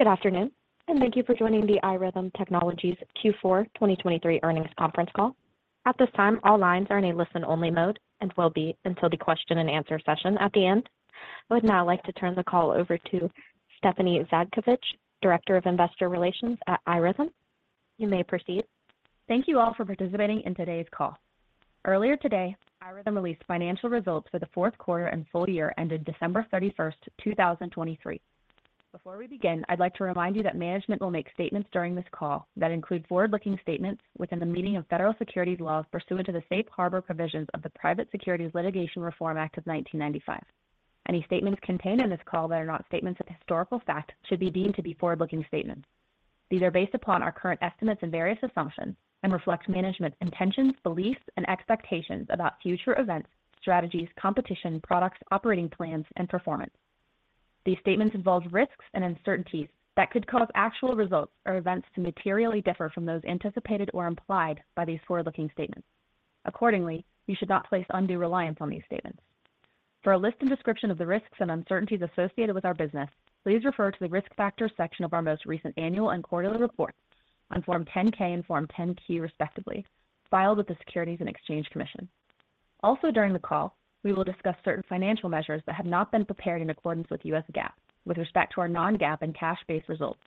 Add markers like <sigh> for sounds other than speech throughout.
Good afternoon, and thank you for joining the iRhythm Technologies Q4 2023 earnings conference call. At this time, all lines are in a listen-only mode and will be until the question-and-answer session at the end. I would now like to turn the call over to Stephanie Zhadkevich, Director of Investor Relations at iRhythm. You may proceed. Thank you all for participating in today's call. Earlier today, iRhythm released financial results for the fourth quarter and full year ended December 31st, 2023. Before we begin, I'd like to remind you that management will make statements during this call that include forward-looking statements within the meaning of federal securities laws pursuant to the Safe Harbor provisions of the Private Securities Litigation Reform Act of 1995. Any statements contained in this call that are not statements of historical fact should be deemed to be forward-looking statements. These are based upon our current estimates and various assumptions and reflect management's intentions, beliefs, and expectations about future events, strategies, competition, products, operating plans, and performance. These statements involve risks and uncertainties that could cause actual results or events to materially differ from those anticipated or implied by these forward-looking statements. Accordingly, you should not place undue reliance on these statements. For a list and description of the risks and uncertainties associated with our business, please refer to the risk factors section of our most recent annual and quarterly reports on Form 10-K and Form 10-Q, respectively, filed with the Securities and Exchange Commission. Also during the call, we will discuss certain financial measures that have not been prepared in accordance with U.S. GAAP, with respect to our non-GAAP and cash-based results,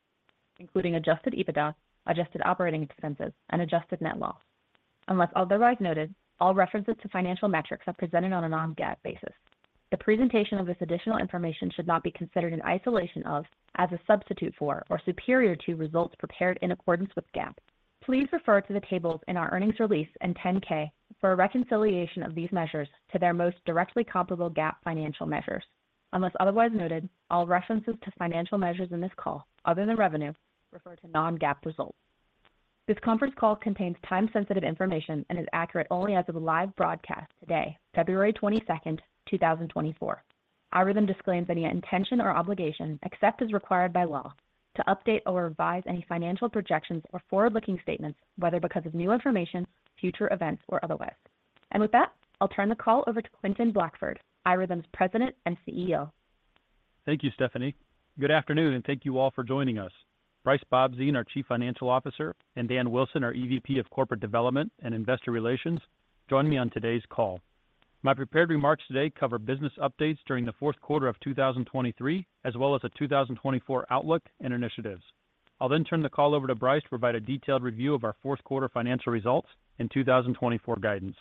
including adjusted EBITDA, adjusted operating expenses, and adjusted net loss. Unless otherwise noted, all references to financial metrics are presented on a non-GAAP basis. The presentation of this additional information should not be considered in isolation of, as a substitute for, or superior to results prepared in accordance with GAAP. Please refer to the tables in our earnings release and 10-K for a reconciliation of these measures to their most directly comparable GAAP financial measures. Unless otherwise noted, all references to financial measures in this call, other than revenue, refer to non-GAAP results. This conference call contains time-sensitive information and is accurate only as of a live broadcast today, February 22nd, 2024. iRhythm disclaims any intention or obligation, except as required by law, to update or revise any financial projections or forward-looking statements, whether because of new information, future events, or otherwise. With that, I'll turn the call over to Quentin Blackford, iRhythm's President and CEO. Thank you, Stephanie. Good afternoon, and thank you all for joining us. Brice Bobzien, our Chief Financial Officer, and Dan Wilson, our EVP of Corporate Development and Investor Relations, join me on today's call. My prepared remarks today cover business updates during the fourth quarter of 2023 as well as a 2024 outlook and initiatives. I'll then turn the call over to Brice to provide a detailed review of our fourth quarter financial results and 2024 guidance.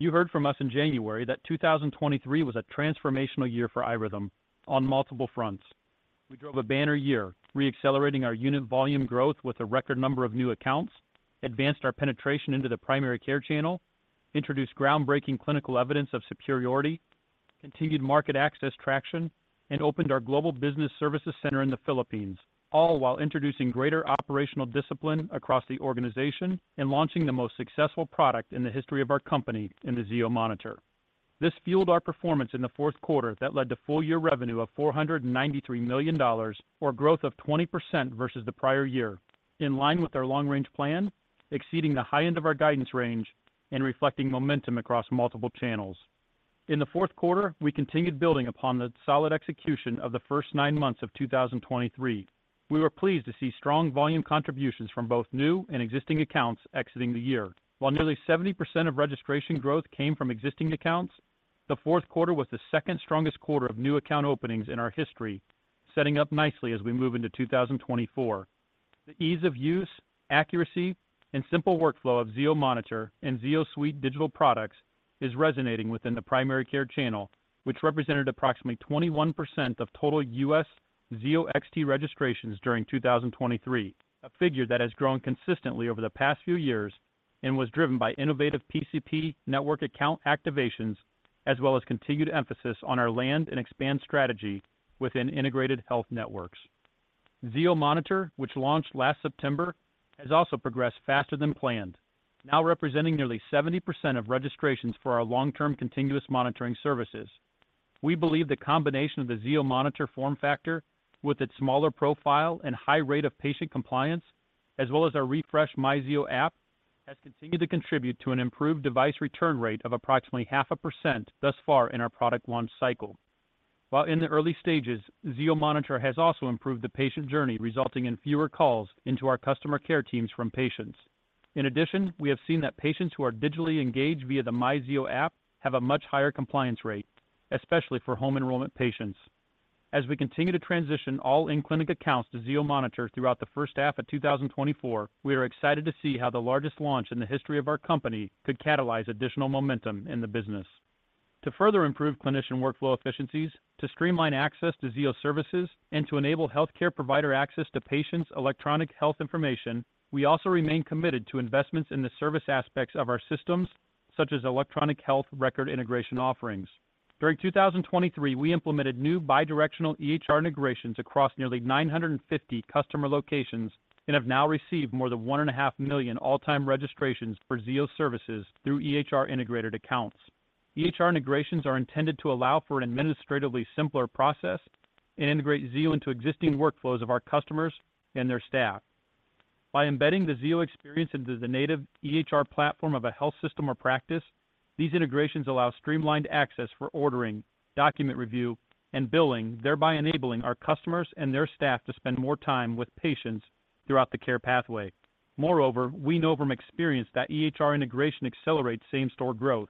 You heard from us in January that 2023 was a transformational year for iRhythm on multiple fronts. We drove a banner year, reaccelerating our unit volume growth with a record number of new accounts, advanced our penetration into the primary care channel, introduced groundbreaking clinical evidence of superiority, continued market access traction, and opened our global business services center in the Philippines, all while introducing greater operational discipline across the organization and launching the most successful product in the history of our company in the Zio Monitor. This fueled our performance in the fourth quarter that led to full-year revenue of $493 million, or growth of 20% versus the prior year, in line with our long-range plan, exceeding the high end of our guidance range, and reflecting momentum across multiple channels. In the fourth quarter, we continued building upon the solid execution of the first nine months of 2023. We were pleased to see strong volume contributions from both new and existing accounts exiting the year. While nearly 70% of registration growth came from existing accounts, the fourth quarter was the second-strongest quarter of new account openings in our history, setting up nicely as we move into 2024. The ease of use, accuracy, and simple workflow of Zio Monitor and Zio Suite digital products is resonating within the primary care channel, which represented approximately 21% of total U.S. Zio XT registrations during 2023, a figure that has grown consistently over the past few years and was driven by innovative PCP network account activations as well as continued emphasis on our land and expand strategy within integrated health networks. Zio Monitor, which launched last September, has also progressed faster than planned, now representing nearly 70% of registrations for our long-term continuous monitoring services. We believe the combination of the Zio Monitor form factor with its smaller profile and high rate of patient compliance, as well as our refreshed MyZio app, has continued to contribute to an improved device return rate of approximately 0.5% thus far in our product launch cycle. While in the early stages, Zio Monitor has also improved the patient journey, resulting in fewer calls into our customer care teams from patients. In addition, we have seen that patients who are digitally engaged via the MyZio app have a much higher compliance rate, especially for home enrollment patients. As we continue to transition all in-clinic accounts to Zio Monitor throughout the first half of 2024, we are excited to see how the largest launch in the history of our company could catalyze additional momentum in the business. To further improve clinician workflow efficiencies, to streamline access to Zio services, and to enable healthcare provider access to patients' electronic health information, we also remain committed to investments in the service aspects of our systems, such as electronic health record integration offerings. During 2023, we implemented new bidirectional EHR integrations across nearly 950 customer locations and have now received more than 1,500,000 million all-time registrations for Zio services through EHR integrated accounts. EHR integrations are intended to allow for an administratively simpler process and integrate Zio into existing workflows of our customers and their staff. By embedding the Zio experience into the native EHR platform of a health system or practice, these integrations allow streamlined access for ordering, document review, and billing, thereby enabling our customers and their staff to spend more time with patients throughout the care pathway. Moreover, we know from experience that EHR integration accelerates same-store growth,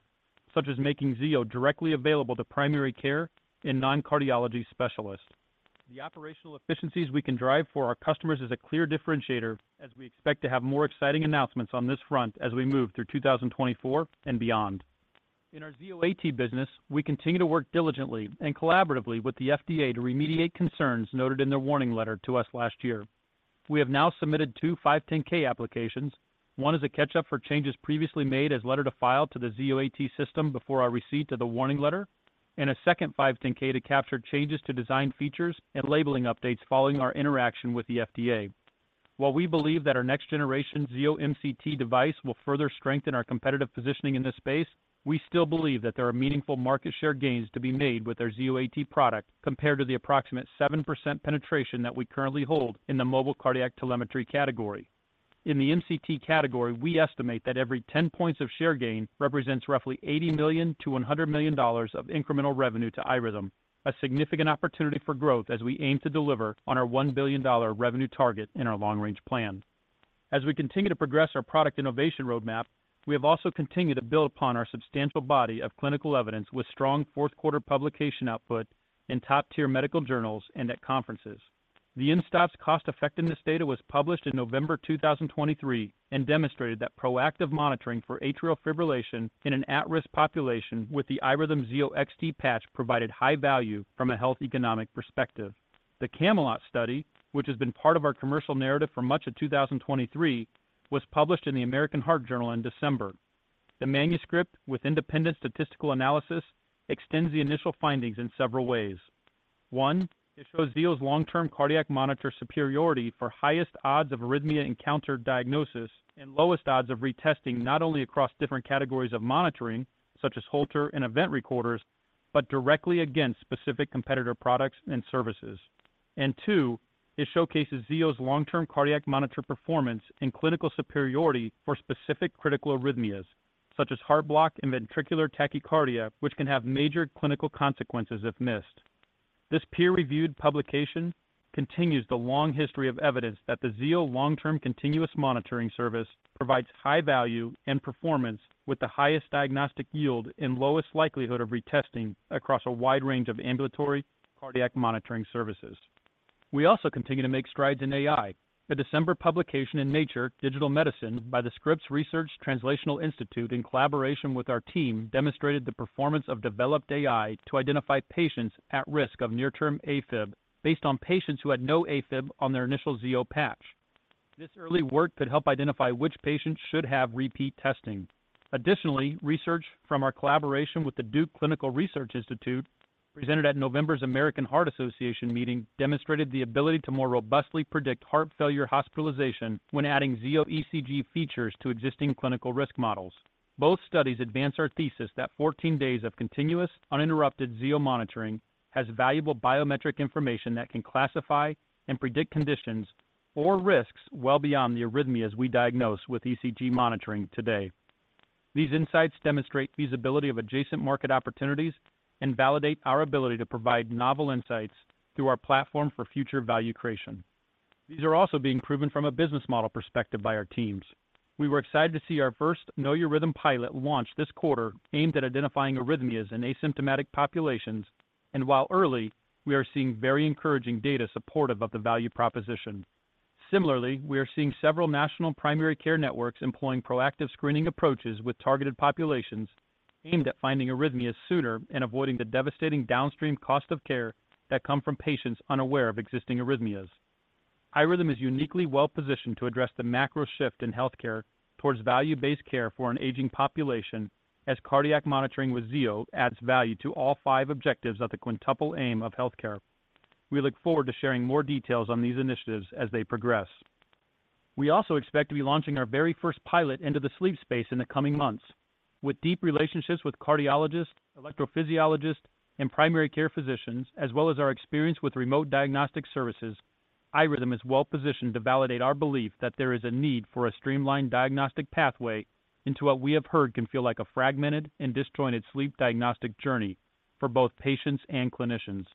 such as making Zio directly available to primary care and non-cardiology specialists. The operational efficiencies we can drive for our customers is a clear differentiator, as we expect to have more exciting announcements on this front as we move through 2024 and beyond. In our Zio AT business, we continue to work diligently and collaboratively with the FDA to remediate concerns noted in their warning letter to us last year. We have now submitted two 510(k) applications. One is a catch-up for changes previously made as letter to file to the Zio AT system before our receipt of the warning letter, and a second 510(k) to capture changes to design features and labeling updates following our interaction with the FDA. While we believe that our next-generation Zio MCT device will further strengthen our competitive positioning in this space, we still believe that there are meaningful market share gains to be made with our Zio AT product compared to the approximate 7% penetration that we currently hold in the mobile cardiac telemetry category. In the MCT category, we estimate that every 10 points of share gain represents roughly $80 million-$100 million of incremental revenue to iRhythm, a significant opportunity for growth as we aim to deliver on our $1 billion revenue target in our long-range plan. As we continue to progress our product innovation roadmap, we have also continued to build upon our substantial body of clinical evidence with strong fourth quarter publication output in top-tier medical journals and at conferences. The mSToPS's cost-effectiveness data was published in November 2023 and demonstrated that proactive monitoring for atrial fibrillation in an at-risk population with the iRhythm Zio XT patch provided high value from a health economic perspective. The CAMELOT study, which has been part of our commercial narrative for much of 2023, was published in the American Heart Journal in December. The manuscript, with independent statistical analysis, extends the initial findings in several ways. One, it shows Zio's long-term cardiac monitor superiority for highest odds of arrhythmia encounter diagnosis and lowest odds of retesting not only across different categories of monitoring, such as Holter and event recorders, but directly against specific competitor products and services. And two, it showcases Zio's long-term cardiac monitor performance and clinical superiority for specific critical arrhythmias, such as heart block and ventricular tachycardia, which can have major clinical consequences if missed. This peer-reviewed publication continues the long history of evidence that the Zio long-term continuous monitoring service provides high value and performance with the highest diagnostic yield and lowest likelihood of retesting across a wide range of ambulatory cardiac monitoring services. We also continue to make strides in AI. A December publication in Nature Digital Medicine by the Scripps Research Translational Institute, in collaboration with our team, demonstrated the performance of developed AI to identify patients at risk of near-term AFib based on patients who had no AFib on their initial Zio patch. This early work could help identify which patients should have repeat testing. Additionally, research from our collaboration with the Duke Clinical Research Institute, presented at November's American Heart Association meeting, demonstrated the ability to more robustly predict heart failure hospitalization when adding Zio ECG features to existing clinical risk models. Both studies advance our thesis that 14 days of continuous, uninterrupted Zio monitoring has valuable biometric information that can classify and predict conditions or risks well beyond the arrhythmias we diagnose with ECG monitoring today. These insights demonstrate feasibility of adjacent market opportunities and validate our ability to provide novel insights through our platform for future value creation. These are also being proven from a business model perspective by our teams. We were excited to see our first Know Your Rhythm pilot launch this quarter aimed at identifying arrhythmias in asymptomatic populations, and while early, we are seeing very encouraging data supportive of the value proposition. Similarly, we are seeing several national primary care networks employing proactive screening approaches with targeted populations aimed at finding arrhythmias sooner and avoiding the devastating downstream cost of care that come from patients unaware of existing arrhythmias. iRhythm is uniquely well-positioned to address the macro shift in healthcare towards value-based care for an aging population, as cardiac monitoring with Zio adds value to all five objectives of the Quintuple Aim of healthcare. We look forward to sharing more details on these initiatives as they progress. We also expect to be launching our very first pilot into the sleep space in the coming months. With deep relationships with cardiologists, electrophysiologists, and primary care physicians, as well as our experience with remote diagnostic services, iRhythm is well-positioned to validate our belief that there is a need for a streamlined diagnostic pathway into what we have heard can feel like a fragmented and disjointed sleep diagnostic journey for both patients and clinicians.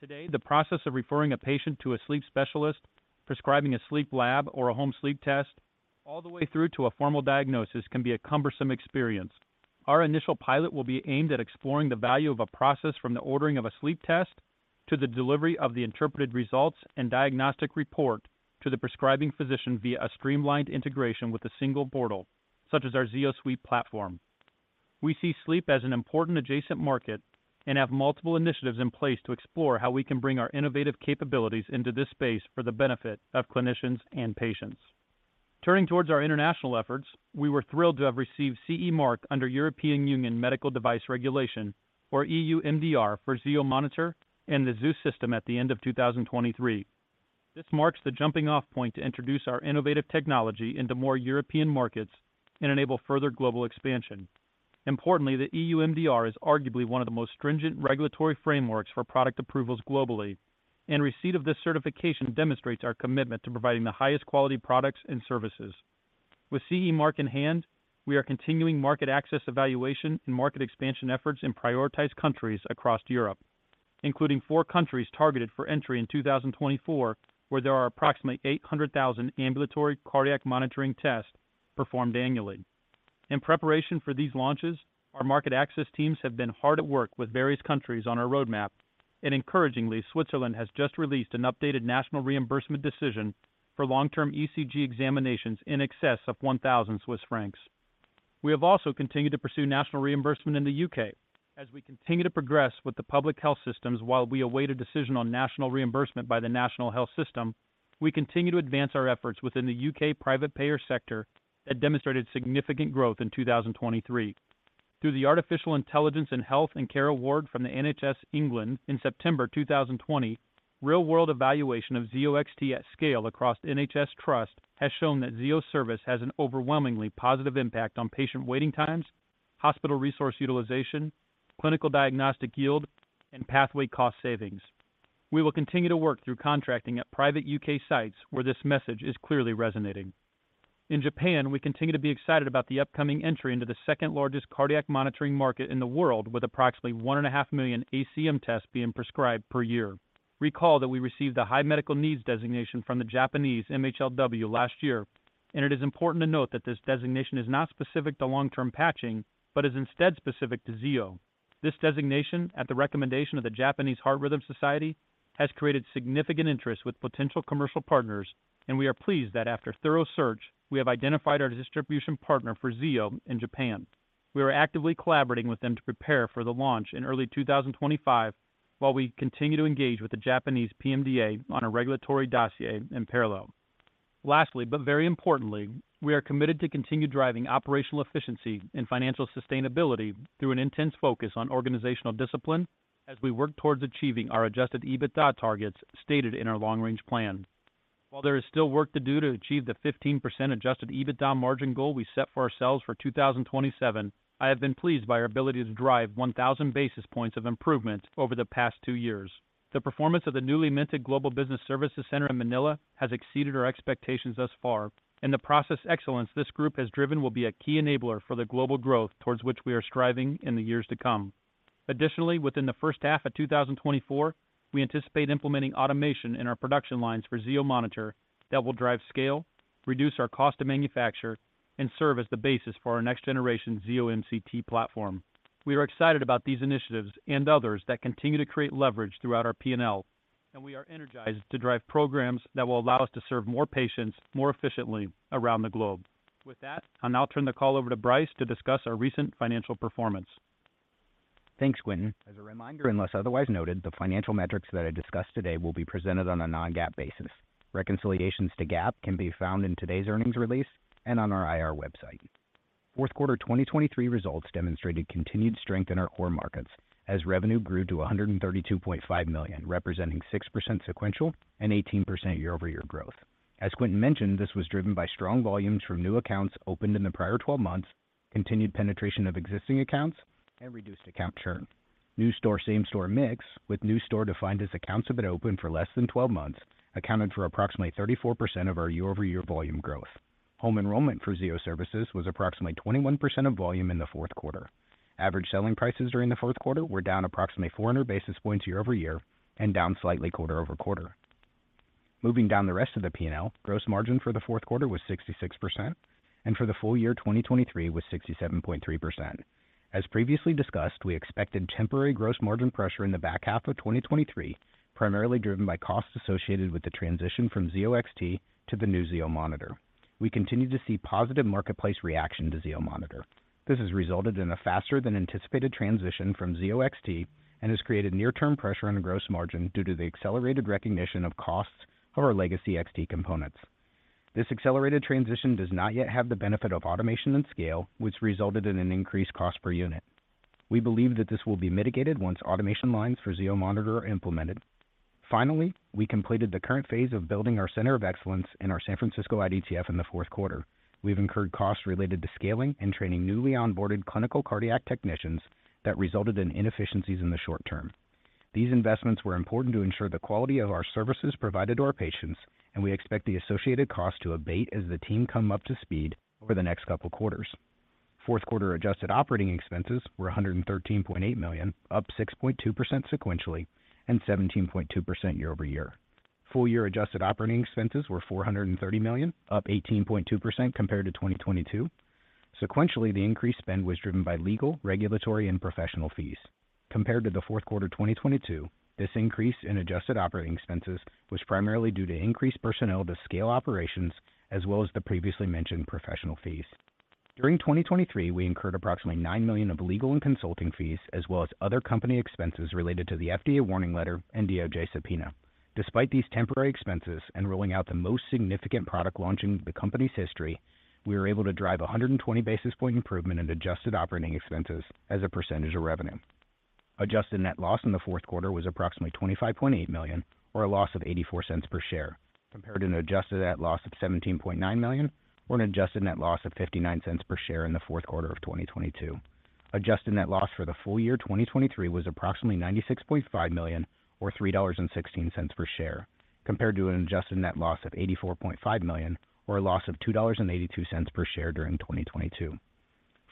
Today, the process of referring a patient to a sleep specialist, prescribing a sleep lab or a home sleep test, all the way through to a formal diagnosis can be a cumbersome experience. Our initial pilot will be aimed at exploring the value of a process from the ordering of a sleep test to the delivery of the interpreted results and diagnostic report to the prescribing physician via a streamlined integration with a single portal, such as our Zio Suite platform. We see sleep as an important adjacent market and have multiple initiatives in place to explore how we can bring our innovative capabilities into this space for the benefit of clinicians and patients. Turning towards our international efforts, we were thrilled to have received CE mark under European Union Medical Device Regulation, or EU MDR, for Zio Monitor and the ZEUS System at the end of 2023. This marks the jumping-off point to introduce our innovative technology into more European markets and enable further global expansion. Importantly, the EU MDR is arguably one of the most stringent regulatory frameworks for product approvals globally, and receipt of this certification demonstrates our commitment to providing the highest quality products and services. With CE Mark in hand, we are continuing market access evaluation and market expansion efforts in prioritized countries across Europe, including four countries targeted for entry in 2024 where there are approximately 800,000 ambulatory cardiac monitoring tests performed annually. In preparation for these launches, our market access teams have been hard at work with various countries on our roadmap, and encouragingly, Switzerland has just released an updated national reimbursement decision for long-term ECG examinations in excess of 1,000 Swiss francs. We have also continued to pursue national reimbursement in the U.K. As we continue to progress with the public health systems while we await a decision on national reimbursement by the national health system, we continue to advance our efforts within the U.K. private payer sector that demonstrated significant growth in 2023. Through the Artificial Intelligence in Health and Care Award from the NHS England in September 2020, real-world evaluation of Zio XT at scale across NHS trust has shown that Zio service has an overwhelmingly positive impact on patient waiting times, hospital resource utilization, clinical diagnostic yield, and pathway cost savings. We will continue to work through contracting at private U.K. sites where this message is clearly resonating. In Japan, we continue to be excited about the upcoming entry into the second-largest cardiac monitoring market in the world, with approximately 1,500,000 million ACM tests being prescribed per year. Recall that we received the High Medical Needs designation from the Japanese MHLW last year, and it is important to note that this designation is not specific to long-term patching but is instead specific to Zio. This designation, at the recommendation of the Japanese Heart Rhythm Society, has created significant interest with potential commercial partners, and we are pleased that after thorough search, we have identified our distribution partner for Zio in Japan. We are actively collaborating with them to prepare for the launch in early 2025 while we continue to engage with the Japanese PMDA on a regulatory dossier in parallel. Lastly, but very importantly, we are committed to continue driving operational efficiency and financial sustainability through an intense focus on organizational discipline as we work towards achieving our adjusted EBITDA targets stated in our long-range plan. While there is still work to do to achieve the 15% adjusted EBITDA margin goal we set for ourselves for 2027, I have been pleased by our ability to drive 1,000 basis points of improvement over the past two years. The performance of the newly minted Global Business Services Center in Manila has exceeded our expectations thus far, and the process excellence this group has driven will be a key enabler for the global growth towards which we are striving in the years to come. Additionally, within the first half of 2024, we anticipate implementing automation in our production lines for Zio Monitor that will drive scale, reduce our cost to manufacture, and serve as the basis for our next-generation Zio MCT platform. We are excited about these initiatives and others that continue to create leverage throughout our P&L, and we are energized to drive programs that will allow us to serve more patients more efficiently around the globe. With that, I'll now turn the call over to Brice to discuss our recent financial performance. Thanks, Quentin. As a reminder, unless otherwise noted, the financial metrics that I discussed today will be presented on a non-GAAP basis. Reconciliations to GAAP can be found in today's earnings release and on our IR website. Fourth quarter 2023 results demonstrated continued strength in our core markets as revenue grew to $132.5 million, representing 6% sequential and 18% year-over-year growth. As Quentin mentioned, this was driven by strong volumes from new accounts opened in the prior 12 months, continued penetration of existing accounts, and reduced account churn. New-store/same-store mix, with new-store defined as accounts that had been open for less than 12 months, accounted for approximately 34% of our year-over-year volume growth. Home enrollment for Zio services was approximately 21% of volume in the fourth quarter. Average selling prices during the fourth quarter were down approximately 400 basis points year-over-year and down slightly quarter-over-quarter. Moving down the rest of the P&L, gross margin for the fourth quarter was 66%, and for the full year 2023 was 67.3%. As previously discussed, we expected temporary gross margin pressure in the back half of 2023, primarily driven by costs associated with the transition from Zio XT to the new Zio Monitor. We continue to see positive marketplace reaction to Zio Monitor. This has resulted in a faster-than-anticipated transition from Zio XT and has created near-term pressure on gross margin due to the accelerated recognition of costs of our legacy XT components. This accelerated transition does not yet have the benefit of automation and scale, which resulted in an increased cost per unit. We believe that this will be mitigated once automation lines for Zio Monitor are implemented. Finally, we completed the current phase of building our center of excellence in our San Francisco IDTF in the fourth quarter. We've incurred costs related to scaling and training newly onboarded clinical cardiac technicians that resulted in inefficiencies in the short term. These investments were important to ensure the quality of our services provided to our patients, and we expect the associated costs to abate as the team comes up to speed over the next couple of quarters. Fourth quarter adjusted operating expenses were $113.8 million, up 6.2% sequentially and 17.2% year-over-year. Full-year adjusted operating expenses were $430 million, up 18.2% compared to 2022. Sequentially, the increased spend was driven by legal, regulatory, and professional fees. Compared to the fourth quarter 2022, this increase in adjusted operating expenses was primarily due to increased personnel to scale operations as well as the previously mentioned professional fees. During 2023, we incurred approximately $9 million of legal and consulting fees as well as other company expenses related to the FDA warning letter and DOJ subpoena. Despite these temporary expenses and ruling out the most significant product launch in the company's history, we were able to drive 120 basis point improvement in adjusted operating expenses as a percentage of revenue. Adjusted net loss in the fourth quarter was approximately $25.8 million, or a loss of $0.84 per share, compared to an adjusted net loss of $17.9 million or an adjusted net loss of $0.59 per share in the fourth quarter of 2022. Adjusted net loss for the full year 2023 was approximately $96.5 million, or $3.16 per share, compared to an adjusted net loss of $84.5 million or a loss of $2.82 per share during 2022.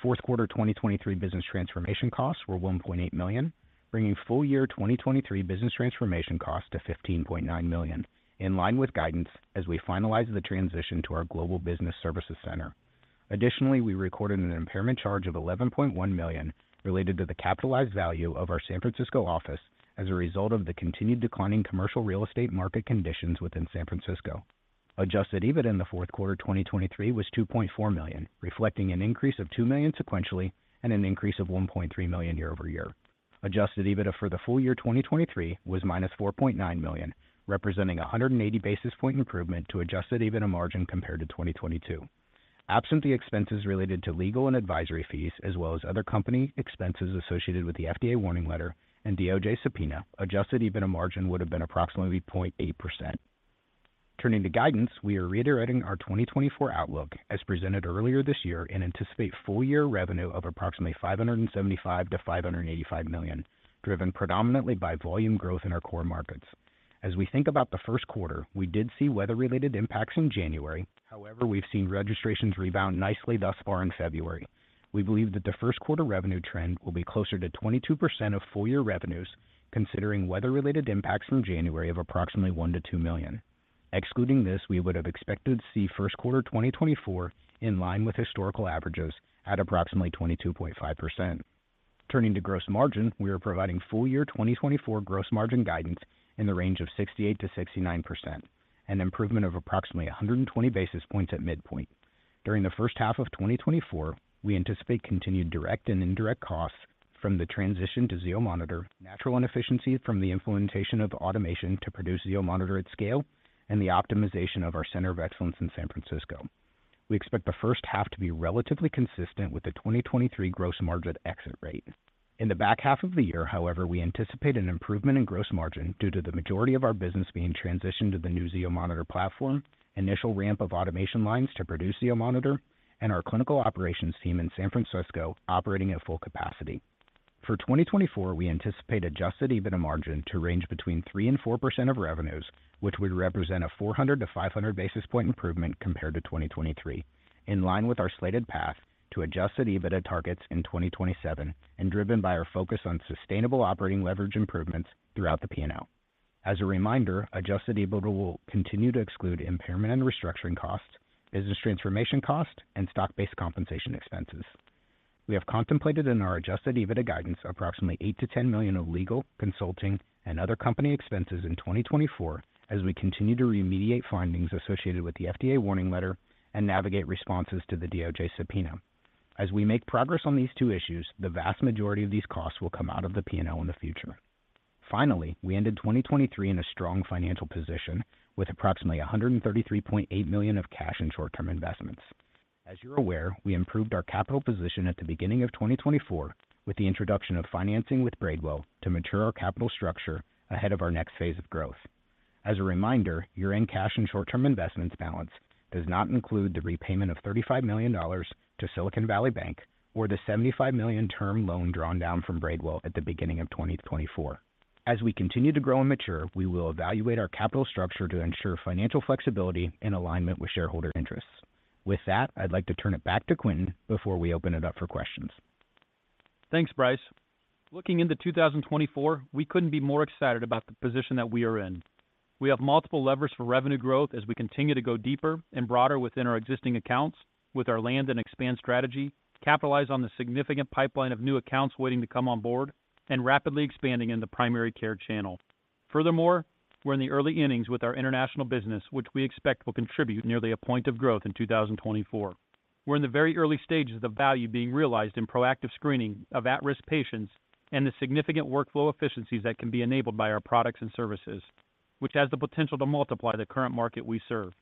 Fourth quarter 2023 business transformation costs were $1.8 million, bringing full-year 2023 business transformation costs to $15.9 million, in line with guidance as we finalize the transition to our Global Business Services Center. Additionally, we recorded an impairment charge of $11.1 million related to the capitalized value of our San Francisco office as a result of the continued declining commercial real estate market conditions within San Francisco. Adjusted EBIT in the fourth quarter 2023 was $2.4 million, reflecting an increase of $2 million sequentially and an increase of $1.3 million year-over-year. Adjusted EBITA for the full year 2023 was -$4.9 million, representing 180 basis point improvement to adjusted EBITA margin compared to 2022. Absent the expenses related to legal and advisory fees as well as other company expenses associated with the FDA warning letter and DOJ subpoena, adjusted EBITDA margin would have been approximately 0.8%. Turning to guidance, we are reiterating our 2024 outlook as presented earlier this year and anticipate full-year revenue of approximately $575 million-$585 million, driven predominantly by volume growth in our core markets. As we think about the first quarter, we did see weather-related impacts in January; however, we've seen registrations rebound nicely thus far in February. We believe that the first quarter revenue trend will be closer to 22% of full-year revenues, considering weather-related impacts in January of approximately $1 million-$2 million. Excluding this, we would have expected to see first quarter 2024 in line with historical averages at approximately 22.5%. Turning to gross margin, we are providing full-year 2024 gross margin guidance in the range of 68%-69%, an improvement of approximately 120 basis points at midpoint. During the first half of 2024, we anticipate continued direct and indirect costs from the transition to Zio Monitor, natural inefficiency from the implementation of automation to produce Zio Monitor at scale, and the optimization of our center of excellence in San Francisco. We expect the first half to be relatively consistent with the 2023 gross margin exit rate. In the back half of the year, however, we anticipate an improvement in gross margin due to the majority of our business being transitioned to the new Zio Monitor platform, initial ramp of automation lines to produce Zio Monitor, and our clinical operations team in San Francisco operating at full capacity. For 2024, we anticipate adjusted EBITA margin to range between 3% and 4% of revenues, which would represent a 400-500 basis point improvement compared to 2023, in line with our slated path to adjusted EBITA targets in 2027 and driven by our focus on sustainable operating leverage improvements throughout the P&L. As a reminder, adjusted EBITA will continue to exclude impairment and restructuring costs, business transformation costs, and stock-based compensation expenses. We have contemplated in our adjusted EBITA guidance approximately $8 million-$10 million of legal, consulting, and other company expenses in 2024 as we continue to remediate findings associated with the FDA warning letter and navigate responses to the DOJ subpoena. As we make progress on these two issues, the vast majority of these costs will come out of the P&L in the future. Finally, we ended 2023 in a strong financial position with approximately $133.8 million of cash and short-term investments. As you're aware, we improved our capital position at the beginning of 2024 with the introduction of financing with Braidwell to mature our capital structure ahead of our next phase of growth. As a reminder, year-end cash and short-term investments balance does not include the repayment of $35 million to Silicon Valley Bank or the $75 million term loan drawn down from Braidwell at the beginning of 2024. As we continue to grow and mature, we will evaluate our capital structure to ensure financial flexibility in alignment with shareholder interests. With that, I'd like to turn it back to Quentin before we open it up for questions. Thanks, Brice. Looking into 2024, we couldn't be more excited about the position that we are in. We have multiple levers for revenue growth as we continue to go deeper and broader within our existing accounts with our land and expand strategy, capitalize on the significant pipeline of new accounts waiting to come on board, and rapidly expanding in the primary care channel. Furthermore, we're in the early innings with our international business, which we expect will contribute nearly a point of growth in 2024. We're in the very early stages of value being realized in proactive screening of at-risk patients and the significant workflow efficiencies that can be enabled by our products and services, which has the potential to multiply the current market we serve.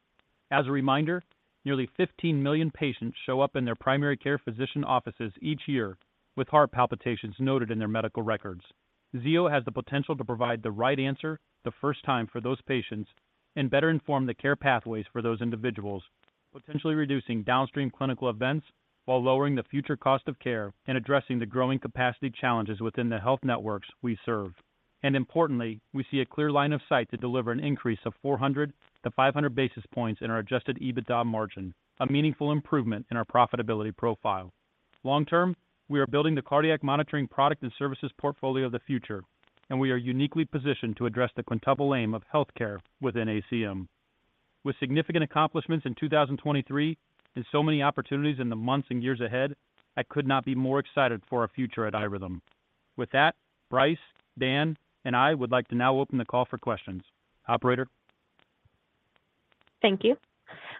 As a reminder, nearly 15 million patients show up in their primary care physician offices each year with heart palpitations noted in their medical records. Zio has the potential to provide the right answer the first time for those patients and better inform the care pathways for those individuals, potentially reducing downstream clinical events while lowering the future cost of care and addressing the growing capacity challenges within the health networks we serve. Importantly, we see a clear line of sight to deliver an increase of 400-500 basis points in our Adjusted EBITDA margin, a meaningful improvement in our profitability profile. Long term, we are building the cardiac monitoring product and services portfolio of the future, and we are uniquely positioned to address the Quintuple Aim of healthcare within ACM. With significant accomplishments in 2023 and so many opportunities in the months and years ahead, I could not be more excited for our future at iRhythm. With that, Brice, Dan, and I would like to now open the call for questions. Operator. Thank you.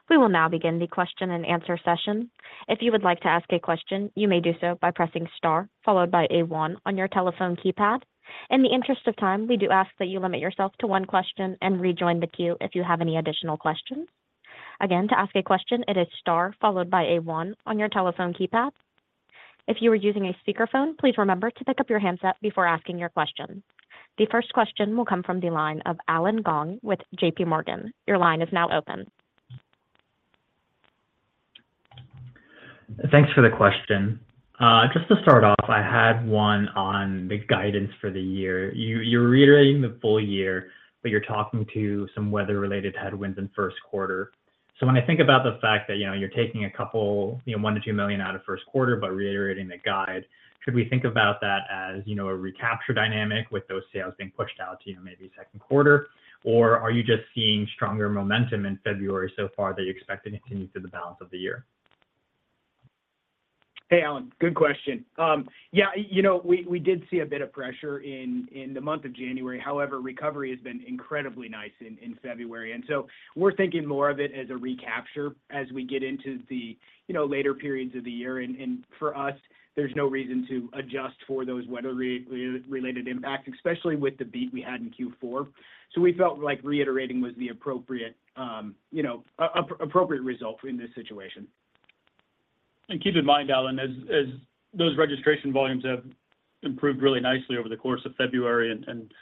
We will now begin the question and answer session. If you would like to ask a question, you may do so by pressing star followed by A1 on your telephone keypad. In the interest of time, we do ask that you limit yourself to one question and rejoin the queue if you have any additional questions. Again, to ask a question, it is star followed by A1 on your telephone keypad. If you are using a speakerphone, please remember to pick up your handset before asking your question. The first question will come from the line of Allen Gong with JPMorgan. Your line is now open. Thanks for the question. Just to start off, I had one on the guidance for the year. You're reiterating the full year, but you're talking to some weather-related headwinds in first quarter. So when I think about the fact that you're taking a couple of $1 million-$2 million out of first quarter but reiterating the guide, should we think about that as a recapture dynamic with those sales being pushed out to maybe second quarter, or are you just seeing stronger momentum in February so far that you expect to continue through the balance of the year? Hey, Allen. Good question. Yeah, we did see a bit of pressure in the month of January. However, recovery has been incredibly nice in February. And so we're thinking more of it as a recapture as we get into the later periods of the year. And for us, there's no reason to adjust for those weather-related impacts, especially with the beat we had in Q4. So we felt like reiterating was the appropriate result in this situation. Keep in mind, Allen, as those registration volumes have improved really nicely over the course of February and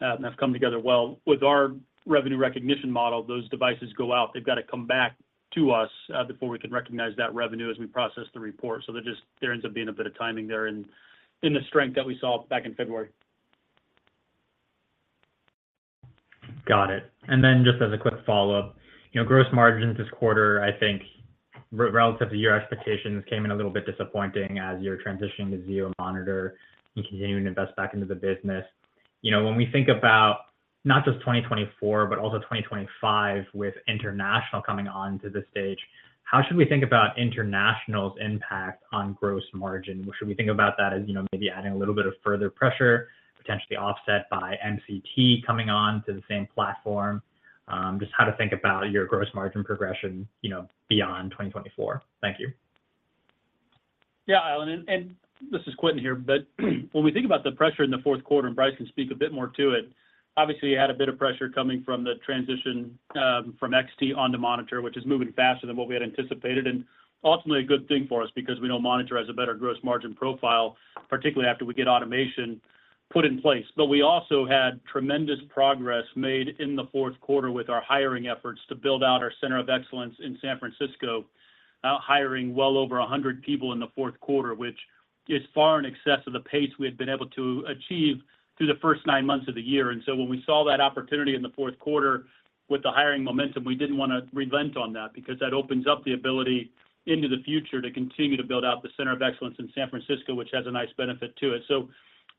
have come together well. With our revenue recognition model, those devices go out. They've got to come back to us before we can recognize that revenue as we process the report. So there ends up being a bit of timing there in the strength that we saw back in February. Got it. And then just as a quick follow-up, gross margin this quarter, I think, relative to your expectations, came in a little bit disappointing as you're transitioning to Zio Monitor and continuing to invest back into the business. When we think about not just 2024 but also 2025 with international coming onto the stage, how should we think about international's impact on gross margin? Should we think about that as maybe adding a little bit of further pressure, potentially offset by MCT coming onto the same platform? Just how to think about your gross margin progression beyond 2024. Thank you. Yeah, Allen. And this is Quentin here. But when we think about the pressure in the fourth quarter, and Brice can speak a bit more to it, obviously, you had a bit of pressure coming from the transition from XT onto Monitor, which is moving faster than what we had anticipated. And ultimately, a good thing for us because we know Monitor has a better gross margin profile, particularly after we get automation put in place. But we also had tremendous progress made in the fourth quarter with our hiring efforts to build out our center of excellence in San Francisco, hiring well over 100 people in the fourth quarter, which is far in excess of the pace we had been able to achieve through the first nine months of the year. And so when we saw that opportunity in the fourth quarter with the hiring momentum, we didn't want to relent on that because that opens up the ability into the future to continue to build out the center of excellence in San Francisco, which has a nice benefit to it. So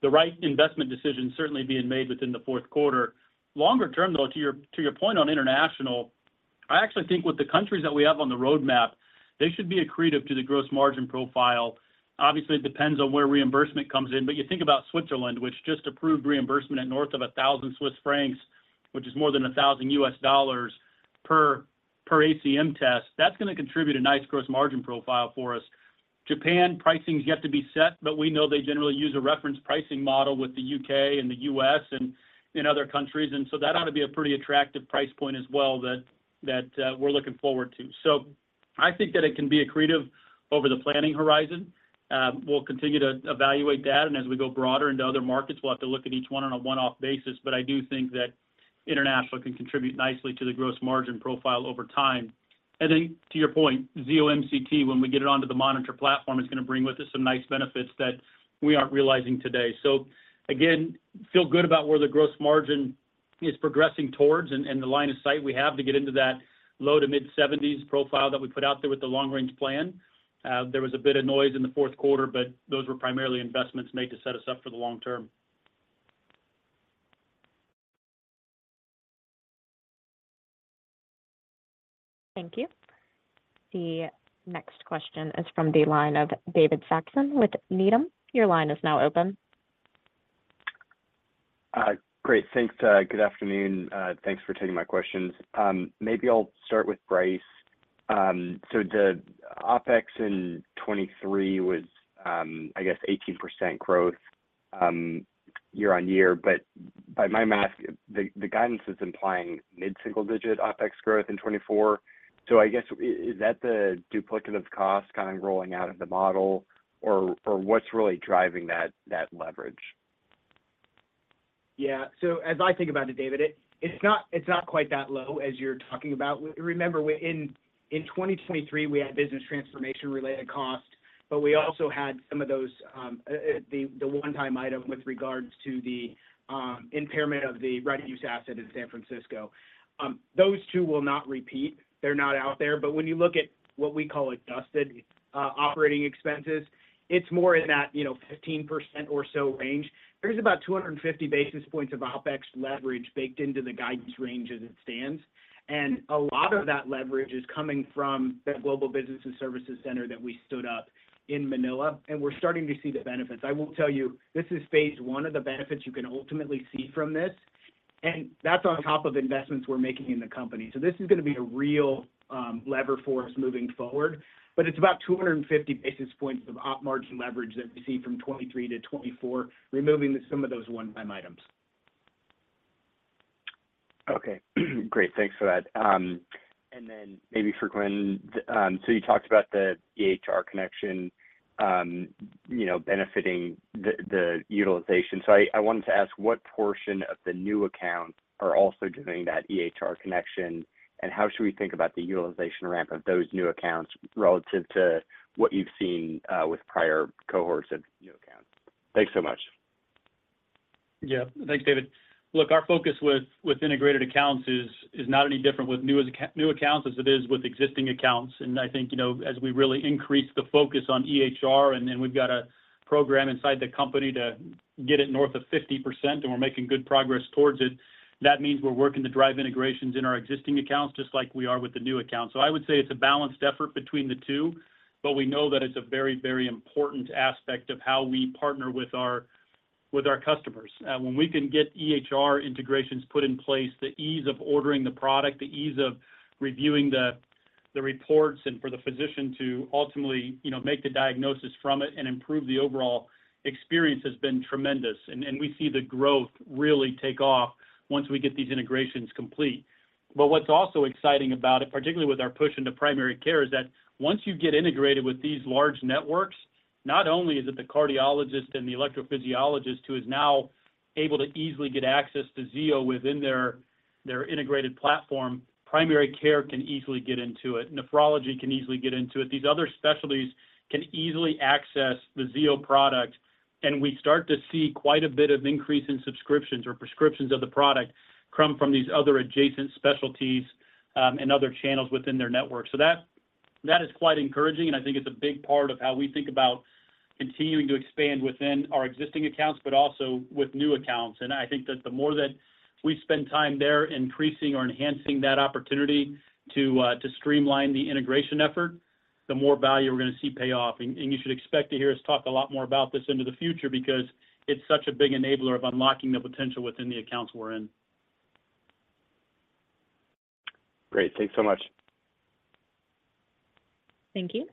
the right investment decision certainly being made within the fourth quarter. Longer term, though, to your point on international, I actually think with the countries that we have on the roadmap, they should be accretive to the gross margin profile. Obviously, it depends on where reimbursement comes in. But you think about Switzerland, which just approved reimbursement at north of 1,000 Swiss francs, which is more than $1,000 per ACM test. That's going to contribute a nice gross margin profile for us. Japan, pricing's yet to be set, but we know they generally use a reference pricing model with the U.K. and the U.S. and in other countries. And so that ought to be a pretty attractive price point as well that we're looking forward to. So I think that it can be accretive over the planning horizon. We'll continue to evaluate that. And as we go broader into other markets, we'll have to look at each one on a one-off basis. But I do think that international can contribute nicely to the gross margin profile over time. And then to your point, Zio MCT, when we get it onto the Monitor platform, it's going to bring with it some nice benefits that we aren't realizing today. So again, feel good about where the gross margin is progressing towards and the line of sight we have to get into that low to mid-70s profile that we put out there with the long-range plan. There was a bit of noise in the fourth quarter, but those were primarily investments made to set us up for the long term. Thank you. The next question is from the line of David Saxon with Needham. Your line is now open. Great. Thanks. Good afternoon. Thanks for taking my questions. Maybe I'll start with Brice. The OPEX in 2023 was, I guess, 18% growth year-on-year. But by my math, the guidance is implying mid-single-digit OPEX growth in 2024. I guess, is that the duplicative cost kind of rolling out of the model, or what's really driving that leverage? Yeah. So as I think about it, David, it's not quite that low as you're talking about. Remember, in 2023, we had business transformation-related costs, but we also had some of those one-time item with regards to the impairment of the ready-use asset in San Francisco. Those two will not repeat. They're not out there. But when you look at what we call adjusted operating expenses, it's more in that 15% or so range. There's about 250 basis points of OpEx leverage baked into the guidance range as it stands. And a lot of that leverage is coming from that Global Business Services Center that we stood up in Manila. And we're starting to see the benefits. I will tell you, this is phase I of the benefits you can ultimately see from this. And that's on top of investments we're making in the company. So this is going to be a real lever for us moving forward. But it's about 250 basis points of op margin leverage that we see from 2023 to 2024, removing some of those one-time items. Okay. Great. Thanks for that. And then maybe for Quentin, so you talked about the EHR connection benefiting the utilization. So I wanted to ask, what portion of the new accounts are also doing that EHR connection, and how should we think about the utilization ramp of those new accounts relative to what you've seen with prior cohorts of new accounts? Thanks so much. Yeah. Thanks, David. Look, our focus with integrated accounts is not any different with new accounts as it is with existing accounts. And I think as we really increase the focus on EHR, and we've got a program inside the company to get it north of 50%, and we're making good progress towards it, that means we're working to drive integrations in our existing accounts just like we are with the new accounts. So I would say it's a balanced effort between the two, but we know that it's a very, very important aspect of how we partner with our customers. When we can get EHR integrations put in place, the ease of ordering the product, the ease of reviewing the reports, and for the physician to ultimately make the diagnosis from it and improve the overall experience has been tremendous. We see the growth really take off once we get these integrations complete. But what's also exciting about it, particularly with our push into primary care, is that once you get integrated with these large networks, not only is it the cardiologist and the electrophysiologist who is now able to easily get access to Zio within their integrated platform, primary care can easily get into it. Nephrology can easily get into it. These other specialties can easily access the Zio product. And we start to see quite a bit of increase in subscriptions or prescriptions of the product come from these other adjacent specialties and other channels within their network. So that is quite encouraging. And I think it's a big part of how we think about continuing to expand within our existing accounts, but also with new accounts. I think that the more that we spend time there increasing or enhancing that opportunity to streamline the integration effort, the more value we're going to see pay off. You should expect to hear us talk a lot more about this into the future because it's such a big enabler of unlocking the potential within the accounts we're in. Great. Thanks so much. Thank you.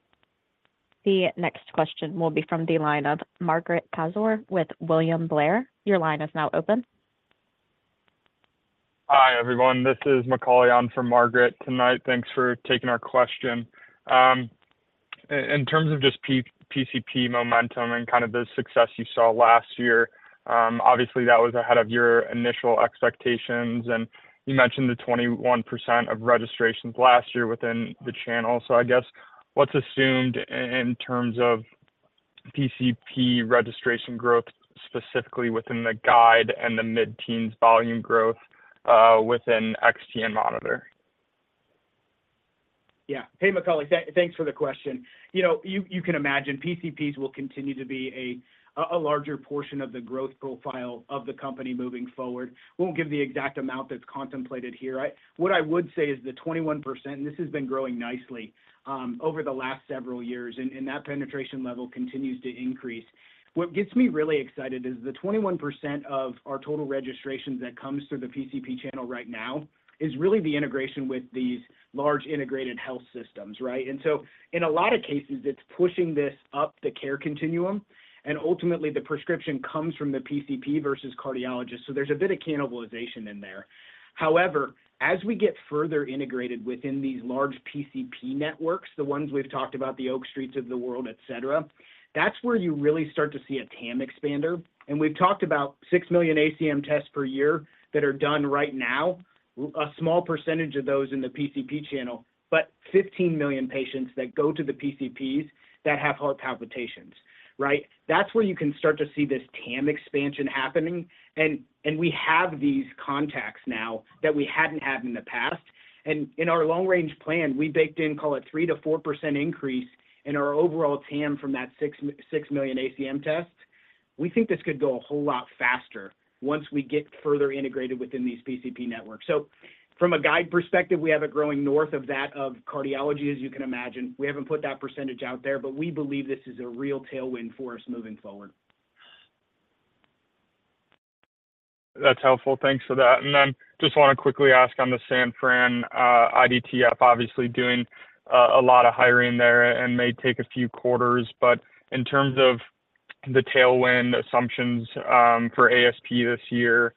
The next question will be from the line of Margaret Kaczor with William Blair. Your line is now open. Hi, everyone. This is Macaulay from Margaret tonight. Thanks for taking our question. In terms of just PCP momentum and kind of the success you saw last year, obviously, that was ahead of your initial expectations. You mentioned the 21% of registrations last year within the channel. So I guess what's assumed in terms of PCP registration growth specifically within the guide and the mid-teens volume growth within XT and Monitor? Yeah. Hey, Macaulay. Thanks for the question. You can imagine PCPs will continue to be a larger portion of the growth profile of the company moving forward. We won't give the exact amount that's contemplated here. What I would say is the 21%, and this has been growing nicely over the last several years, and that penetration level continues to increase. What gets me really excited is the 21% of our total registrations that comes through the PCP channel right now is really the integration with these large integrated health systems, right? And so in a lot of cases, it's pushing this up the care continuum. And ultimately, the prescription comes from the PCP versus cardiologist. So there's a bit of cannibalization in there. However, as we get further integrated within these large PCP networks, the ones we've talked about, the Oak Streets of the World, etc., that's where you really start to see a TAM expander. We've talked about 6 million ACM tests per year that are done right now, a small percentage of those in the PCP channel, but 15 million patients that go to the PCPs that have heart palpitations, right? That's where you can start to see this TAM expansion happening. We have these contacts now that we hadn't had in the past. In our long-range plan, we baked in, call it, 3%-4% increase in our overall TAM from that 6 million ACM tests. We think this could go a whole lot faster once we get further integrated within these PCP networks. From a guide perspective, we have it growing north of that of cardiology, as you can imagine. We haven't put that percentage out there, but we believe this is a real tailwind for us moving forward. That's helpful. Thanks for that. And then just want to quickly ask on the San Fran IDTF, obviously, doing a lot of hiring there and may take a few quarters. But in terms of the tailwind assumptions for ASP this year,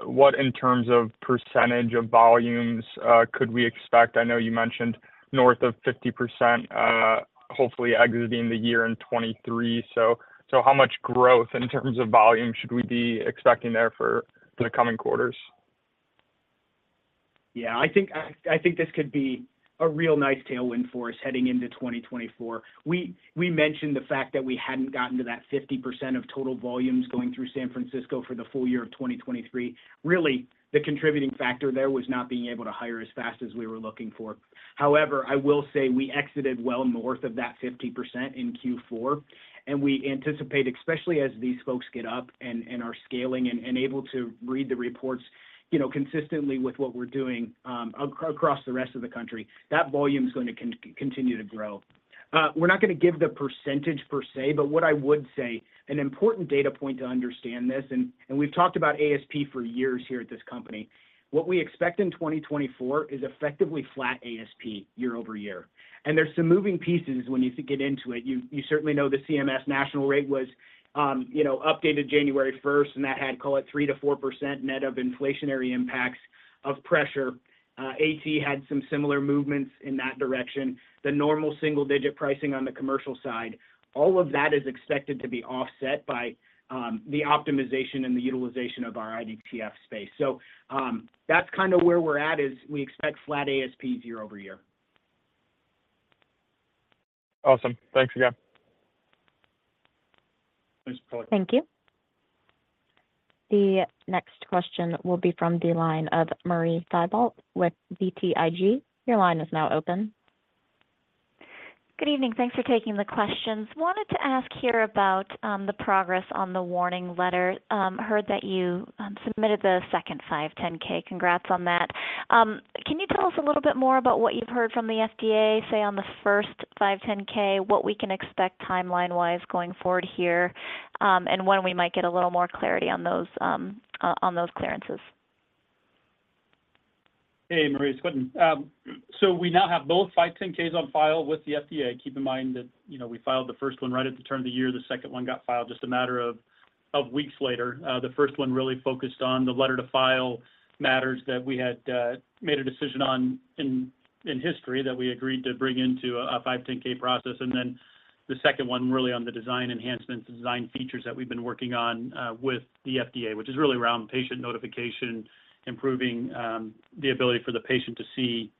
what in terms of percentage of volumes could we expect? I know you mentioned north of 50% hopefully exiting the year in 2023. So how much growth in terms of volume should we be expecting there for the coming quarters? Yeah. I think this could be a real nice tailwind for us heading into 2024. We mentioned the fact that we hadn't gotten to that 50% of total volumes going through San Francisco for the full year of 2023. Really, the contributing factor there was not being able to hire as fast as we were looking for. However, I will say we exited well north of that 50% in Q4. We anticipate, especially as these folks get up and are scaling and able to read the reports consistently with what we're doing across the rest of the country, that volume's going to continue to grow. We're not going to give the percentage per se, but what I would say, an important data point to understand this, and we've talked about ASP for years here at this company, what we expect in 2024 is effectively flat ASP year-over-year. There's some moving pieces when you get into it. You certainly know the CMS national rate was updated January 1st, and that had, call it, 3%-4% net of inflationary impacts of pressure. AT had some similar movements in that direction. The normal single-digit pricing on the commercial side, all of that is expected to be offset by the optimization and the utilization of our IDTF space. So that's kind of where we're at, is we expect flat ASPs year-over-year. Awesome. Thanks again. <audio distortion> Thank you. The next question will be from the line of Marie Thibault with BTIG. Your line is now open. Good evening. Thanks for taking the questions. Wanted to ask here about the progress on the Warning Letter, heard that you submitted the second 510(k). Congrats on that. Can you tell us a little bit more about what you've heard from the FDA? Say, on the first 510(k). What we can expect timeline-wise going forward here, and when we might get a little more clarity on those clearances? Hey, Marie. It's Quentin. So we now have both 510(k)s on file with the FDA. Keep in mind that we filed the first one right at the turn of the year. The second one got filed just a matter of weeks later. The first one really focused on the Letter to File matters that we had made a decision on in history that we agreed to bring into a 510(k) process. And then the second one really on the design enhancements, the design features that we've been working on with the FDA, which is really around patient notification, improving the ability for the patient to see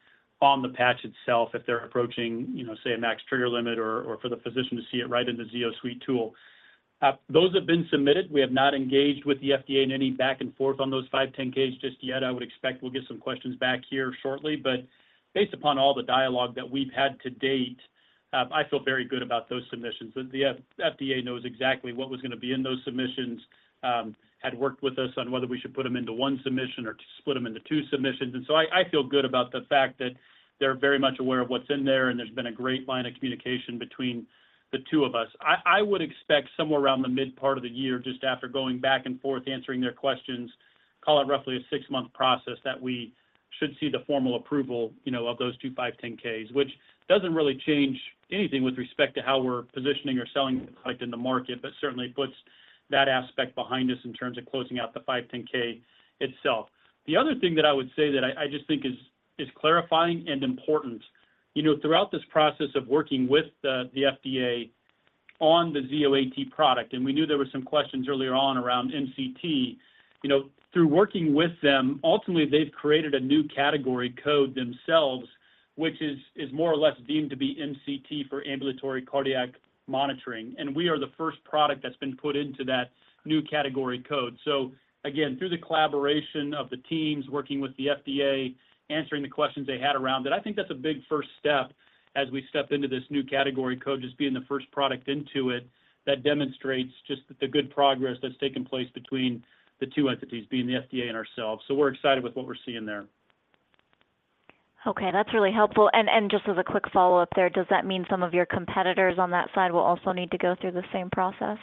on the patch itself if they're approaching, say, a max trigger limit, or for the physician to see it right in the Zio Suite tool. Those have been submitted. We have not engaged with the FDA in any back-and-forth on those 510(k)s just yet. I would expect we'll get some questions back here shortly. But based upon all the dialogue that we've had to date, I feel very good about those submissions. The FDA knows exactly what was going to be in those submissions, had worked with us on whether we should put them into one submission or split them into two submissions. And so I feel good about the fact that they're very much aware of what's in there, and there's been a great line of communication between the two of us. I would expect somewhere around the mid-part of the year, just after going back-and-forth, answering their questions, call it roughly a six-month process, that we should see the formal approval of those two 510(k)s, which doesn't really change anything with respect to how we're positioning or selling the product in the market, but certainly puts that aspect behind us in terms of closing out the 510(k) itself. The other thing that I would say that I just think is clarifying and important, throughout this process of working with the FDA on the Zio AT product, and we knew there were some questions earlier on around MCT, through working with them, ultimately, they've created a new category code themselves, which is more or less deemed to be MCT for ambulatory cardiac monitoring and we are the first product that's been put into that new category code. So again, through the collaboration of the teams working with the FDA, answering the questions they had around it, I think that's a big first step as we step into this new category code, just being the first product into it that demonstrates just the good progress that's taken place between the two entities, being the FDA and ourselves. So we're excited with what we're seeing there. Okay. That's really helpful. Just as a quick follow-up there, does that mean some of your competitors on that side will also need to go through the same process?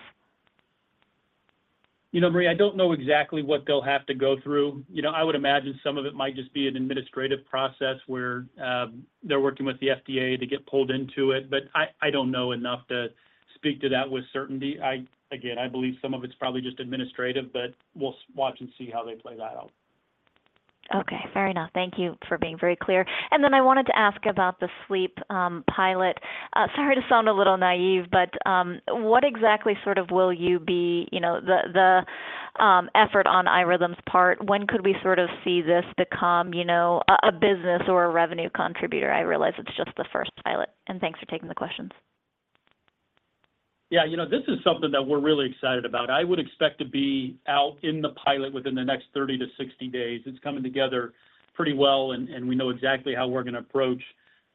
Marie, I don't know exactly what they'll have to go through. I would imagine some of it might just be an administrative process where they're working with the FDA to get pulled into it. But I don't know enough to speak to that with certainty. Again, I believe some of it's probably just administrative, but we'll watch and see how they play that out. Okay, fair enough. Thank you for being very clear. And then I wanted to ask about the Sleep pilot. Sorry to sound a little naive, but what exactly sort of will you be the effort on iRhythm's part? When could we sort of see this become a business or a revenue contributor? I realize it's just the first pilot. And thanks for taking the questions. Yeah. This is something that we're really excited about. I would expect to be out in the pilot within the next 30-60 days. It's coming together pretty well, and we know exactly how we're going to approach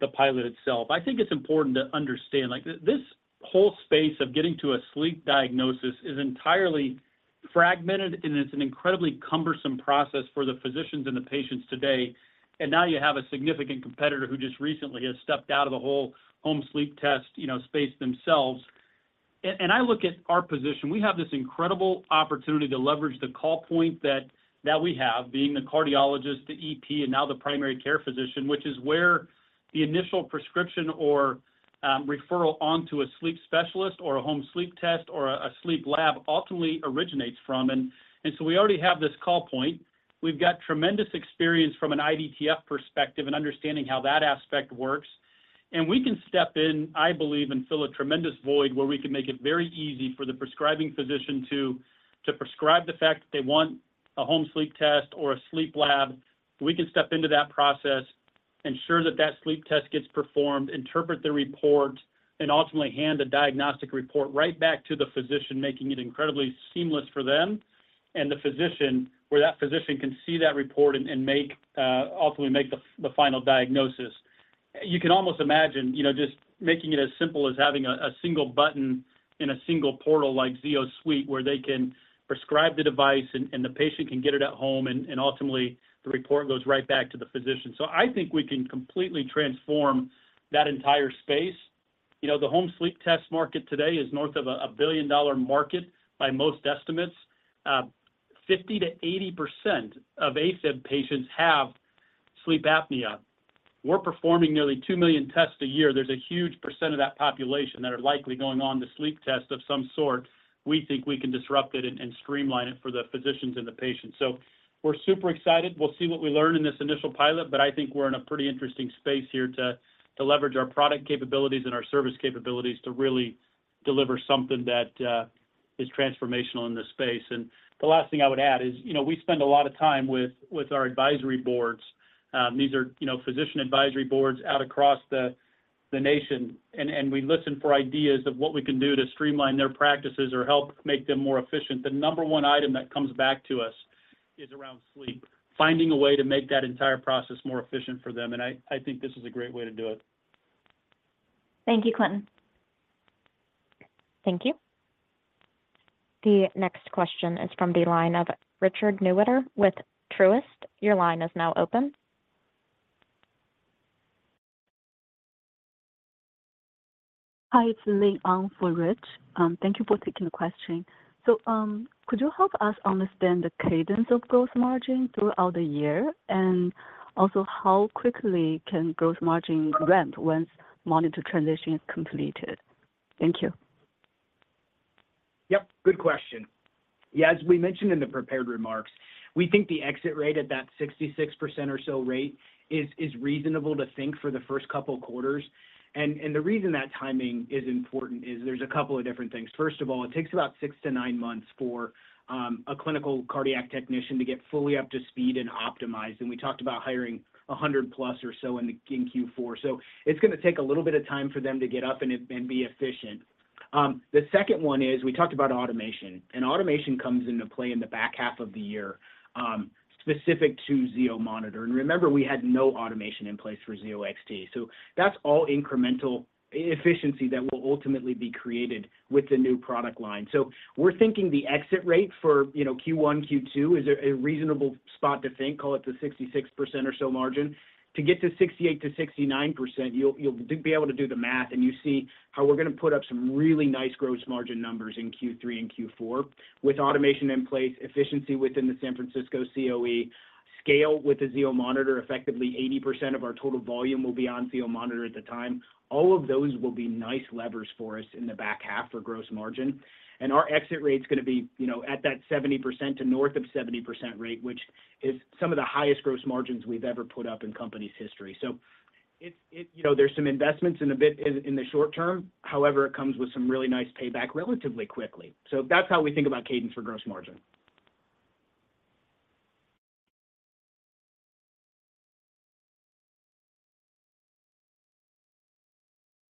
the pilot itself. I think it's important to understand this whole space of getting to a sleep diagnosis is entirely fragmented, and it's an incredibly cumbersome process for the physicians and the patients today. And now you have a significant competitor who just recently has stepped out of the whole home sleep test space themselves. And I look at our position. We have this incredible opportunity to leverage the call point that we have, being the cardiologist, the EP, and now the primary care physician, which is where the initial prescription or referral onto a sleep specialist or a home sleep test or a sleep lab ultimately originates from. We already have this call point. We've got tremendous experience from an IDTF perspective in understanding how that aspect works. We can step in, I believe, and fill a tremendous void where we can make it very easy for the prescribing physician to prescribe the fact that they want a home sleep test or a sleep lab. We can step into that process, ensure that that sleep test gets performed, interpret the report, and ultimately hand a diagnostic report right back to the physician, making it incredibly seamless for them and the physician, where that physician can see that report and ultimately make the final diagnosis. You can almost imagine just making it as simple as having a single button in a single portal like Zio Suite, where they can prescribe the device, and the patient can get it at home, and ultimately, the report goes right back to the physician. So I think we can completely transform that entire space. The home sleep test market today is north of a billion dollar market by most estimates. 50%-80% of AFib patients have sleep apnea. We're performing nearly 2 million tests a year. There's a huge percent of that population that are likely going on to sleep tests of some sort. We think we can disrupt it and streamline it for the physicians and the patients. So we're super excited. We'll see what we learn in this initial pilot. I think we're in a pretty interesting space here to leverage our product capabilities and our service capabilities to really deliver something that is transformational in this space. The last thing I would add is we spend a lot of time with our advisory boards. These are physician advisory boards out across the nation. We listen for ideas of what we can do to streamline their practices or help make them more efficient. The number one item that comes back to us is around sleep, finding a way to make that entire process more efficient for them. I think this is a great way to do it. Thank you, Quentin. Thank you. The next question is from the line of Richard Newitter with Truist. Your line is now open. Hi. It's Lee Ang for Rich. Thank you for taking the question. So could you help us understand the cadence of gross margin throughout the year? And also how quickly can gross margin ramp once monitor transition is completed. Thank you. Yep. Good question. Yeah. As we mentioned in the prepared remarks, we think the exit rate at that 66% or so rate is reasonable to think for the first couple of quarters. And the reason that timing is important is there's a couple of different things. First of all, it takes about 6-9 months for a clinical cardiac technician to get fully up to speed and optimized. And we talked about hiring a hundred plus or so in Q4. So it's going to take a little bit of time for them to get up and be efficient. The second one is we talked about automation. And automation comes into play in the back half of the year specific to Zio Monitor. And remember, we had no automation in place for Zio XT. So that's all incremental efficiency that will ultimately be created with the new product line. So we're thinking the exit rate for Q1, Q2 is a reasonable spot to think, call it the 66% or so margin. To get to 68%-69%, you'll be able to do the math, and you see how we're going to put up some really nice gross margin numbers in Q3 and Q4 with automation in place, efficiency within the San Francisco COE, scale with the Zio Monitor. Effectively, 80% of our total volume will be on Zio Monitor at the time. All of those will be nice levers for us in the back half for gross margin. And our exit rate's going to be at that 70% to north of 70% rate, which is some of the highest gross margins we've ever put up in company's history. So there's some investments in the short term. However, it comes with some really nice payback relatively quickly. That's how we think about cadence for gross margin.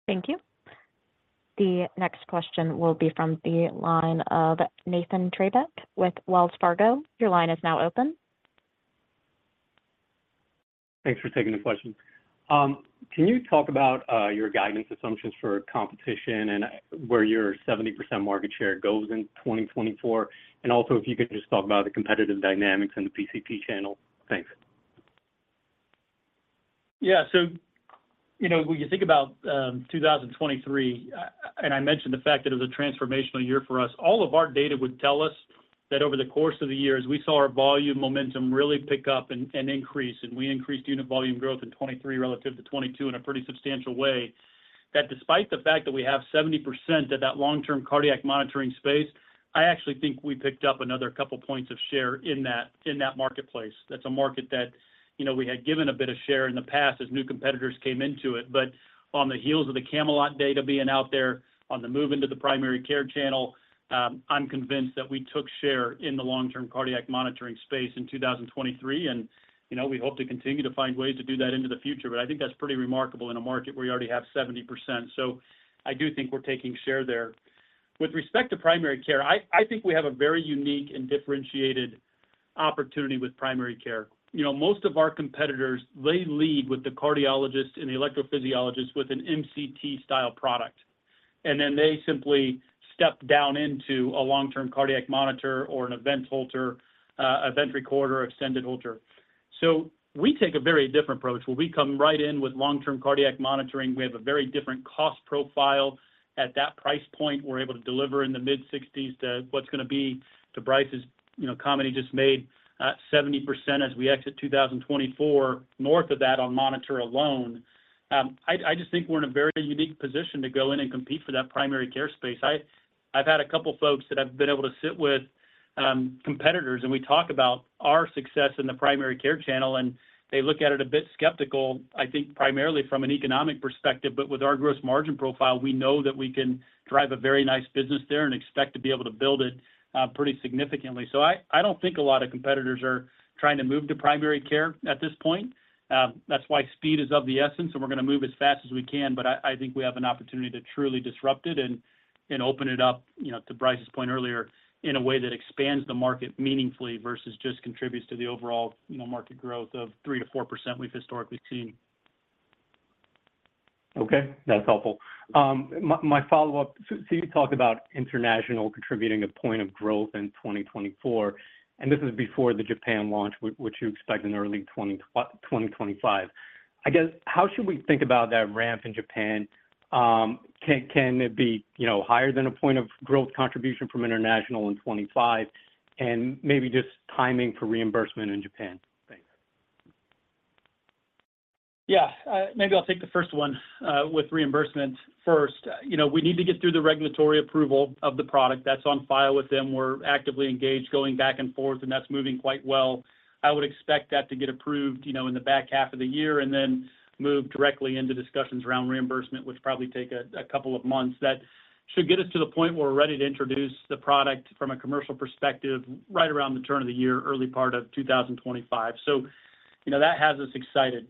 Thank you. The next question will be from the line of Nathan Treybeck with Wells Fargo. Your line is now open. Thanks for taking the question. Can you talk about your guidance assumptions for competition and where your 70% market share goes in 2024? And also, if you could just talk about the competitive dynamics and the PCP channel. Thanks. Yeah. So when you think about 2023, and I mentioned the fact that it was a transformational year for us, all of our data would tell us that over the course of the years, we saw our volume momentum really pick up and increase. And we increased unit volume growth in 2023 relative to 2022 in a pretty substantial way. That despite the fact that we have 70% of that long-term cardiac monitoring space, I actually think we picked up another couple of points of share in that marketplace. That's a market that we had given a bit of share in the past as new competitors came into it. But on the heels of the CAMELOT data being out there, on the move into the primary care channel, I'm convinced that we took share in the long-term cardiac monitoring space in 2023. We hope to continue to find ways to do that into the future. But I think that's pretty remarkable in a market where you already have 70%. So I do think we're taking share there. With respect to primary care, I think we have a very unique and differentiated opportunity with primary care. Most of our competitors, they lead with the cardiologist and the electrophysiologist with an MCT-style product. And then they simply step down into a long-term cardiac monitor or an event Holter, event recorder, extended Holter. So we take a very different approach where we come right in with long-term cardiac monitoring. We have a very different cost profile. At that price point, we're able to deliver in the mid-60s to what's going to be to Brice's commentary just made, 70% as we exit 2024 north of that on monitor alone. I just think we're in a very unique position to go in and compete for that primary care space. I've had a couple of folks that I've been able to sit with, competitors, and we talk about our success in the primary care channel, and they look at it a bit skeptical, I think primarily from an economic perspective. But with our gross margin profile, we know that we can drive a very nice business there and expect to be able to build it pretty significantly. So I don't think a lot of competitors are trying to move to primary care at this point. That's why speed is of the essence, and we're going to move as fast as we can. I think we have an opportunity to truly disrupt it and open it up, to Brice's point earlier, in a way that expands the market meaningfully versus just contributes to the overall market growth of 3%-4% we've historically seen. Okay. That's helpful. My follow-up, so you talked about international contributing a point of growth in 2024. And this is before the Japan launch, which you expect in early 2025. I guess, how should we think about that ramp in Japan? Can it be higher than a point of growth contribution from international in 2025? And maybe just timing for reimbursement in Japan. Thanks. Yeah. Maybe I'll take the first one with reimbursement first. We need to get through the regulatory approval of the product. That's on file with them. We're actively engaged, going back and forth, and that's moving quite well. I would expect that to get approved in the back half of the year and then move directly into discussions around reimbursement, which probably take a couple of months. That should get us to the point where we're ready to introduce the product from a commercial perspective right around the turn of the year, early part of 2025. So that has us excited.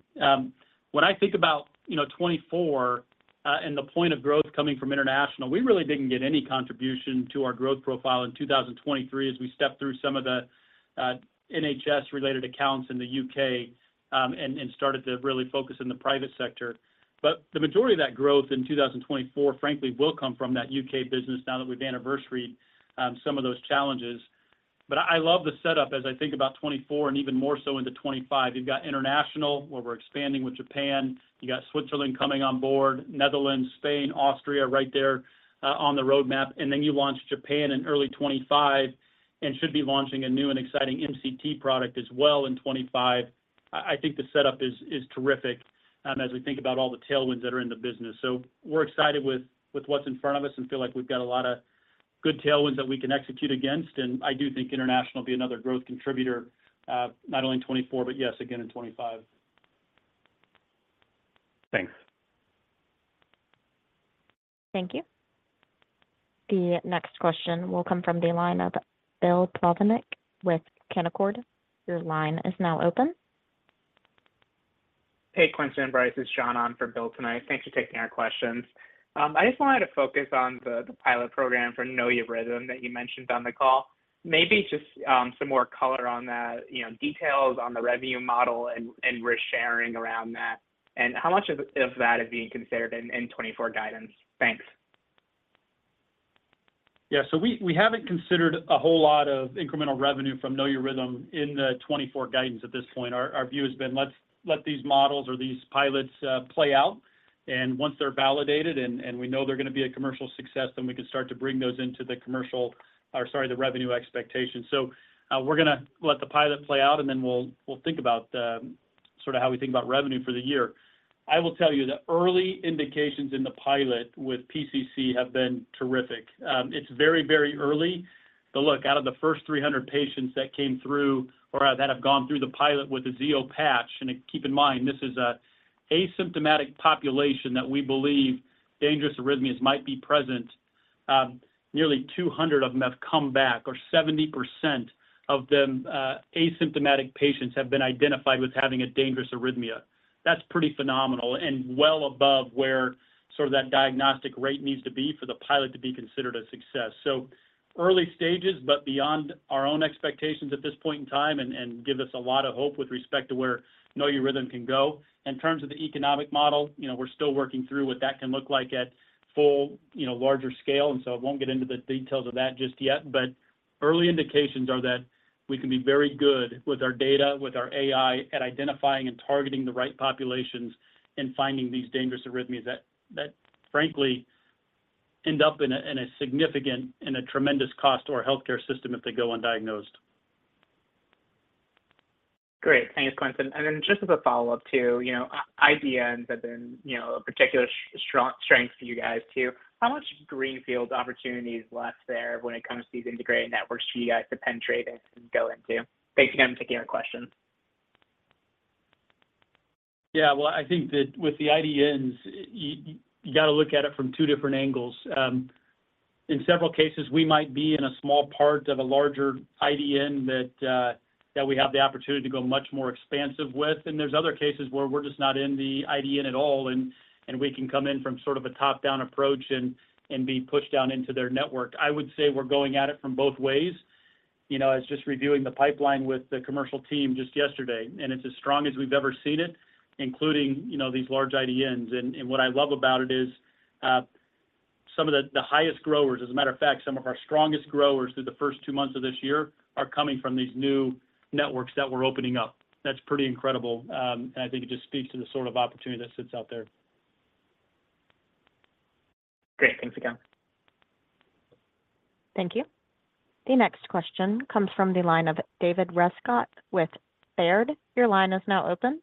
When I think about 2024 and the point of growth coming from international, we really didn't get any contribution to our growth profile in 2023 as we stepped through some of the NHS-related accounts in the U.K. and started to really focus in the private sector. But the majority of that growth in 2024, frankly, will come from that U.K. business now that we've anniversaried some of those challenges. But I love the setup as I think about 2024 and even more so into 2025. You've got international where we're expanding with Japan. You've got Switzerland coming on board, Netherlands, Spain, Austria right there on the roadmap. And then you launch Japan in early 2025 and should be launching a new and exciting MCT product as well in 2025. I think the setup is terrific as we think about all the tailwinds that are in the business. So we're excited with what's in front of us and feel like we've got a lot of good tailwinds that we can execute against. And I do think international will be another growth contributor, not only in 2024 but, yes, again in 2025. Thanks. Thank you. The next question will come from the line of Bill Plovanic with Canaccord. Your line is now open. Hey, Quentin. This is John on for Bill tonight. Thanks for taking our questions. I just wanted to focus on the pilot program for Know Your Rhythm that you mentioned on the call, maybe just some more color on that, details on the revenue model and risk sharing around that, and how much of that is being considered in 2024 guidance. Thanks. Yeah. So we haven't considered a whole lot of incremental revenue from Know Your Rhythm in the 2024 guidance at this point. Our view has been, Let these models or these pilots play out. And once they're validated and we know they're going to be a commercial success, then we can start to bring those into the commercial or, sorry, the revenue expectations. So we're going to let the pilot play out, and then we'll think about sort of how we think about revenue for the year. I will tell you that early indications in the pilot with PCC have been terrific. It's very, very early. But look, out of the first 300 patients that came through or that have gone through the pilot with the Zio patch and keep in mind, this is an asymptomatic population that we believe dangerous arrhythmias might be present, nearly 200 of them have come back, or 70% of the asymptomatic patients have been identified with having a dangerous arrhythmia. That's pretty phenomenal and well above where sort of that diagnostic rate needs to be for the pilot to be considered a success. So early stages, but beyond our own expectations at this point in time and give us a lot of hope with respect to where Know Your Rhythm can go. In terms of the economic model, we're still working through what that can look like at full larger scale. And so I won't get into the details of that just yet. But early indications are that we can be very good with our data, with our AI, at identifying and targeting the right populations and finding these dangerous arrhythmias that, frankly, end up in a significant and a tremendous cost to our healthcare system if they go undiagnosed. Great. Thanks, Quentin. And then just as a follow-up too, IDNs have been a particular strength for you guys too. How much greenfield opportunity is left there when it comes to these integrated networks for you guys to penetrate and go into? Thanks again for taking our question. Yeah. Well, I think that with the IDNs, you got to look at it from two different angles. In several cases, we might be in a small part of a larger IDN that we have the opportunity to go much more expansive with. And there's other cases where we're just not in the IDN at all, and we can come in from sort of a top-down approach and be pushed down into their network. I would say we're going at it from both ways. I was just reviewing the pipeline with the commercial team just yesterday, and it's as strong as we've ever seen it, including these large IDNs. And what I love about it is some of the highest growers as a matter of fact, some of our strongest growers through the first two months of this year are coming from these new networks that we're opening up. That's pretty incredible. I think it just speaks to the sort of opportunity that sits out there. Great. Thanks again. Thank you. The next question comes from the line of David Rescott with Baird. Your line is now open.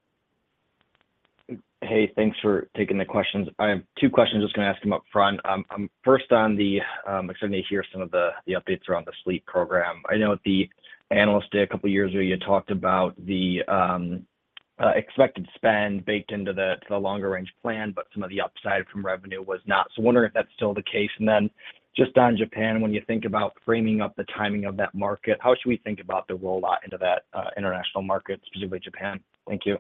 Hey. Thanks for taking the questions. I have two questions. I'm just going to ask them upfront. First, I'm excited to hear some of the updates around the sleep program. I know at the analyst day a couple of years ago, you talked about the expected spend baked into the longer-range plan, but some of the upside from revenue was not. So wondering if that's still the case. And then just on Japan, when you think about framing up the timing of that market, how should we think about the rollout into that international market, specifically Japan? Thank you.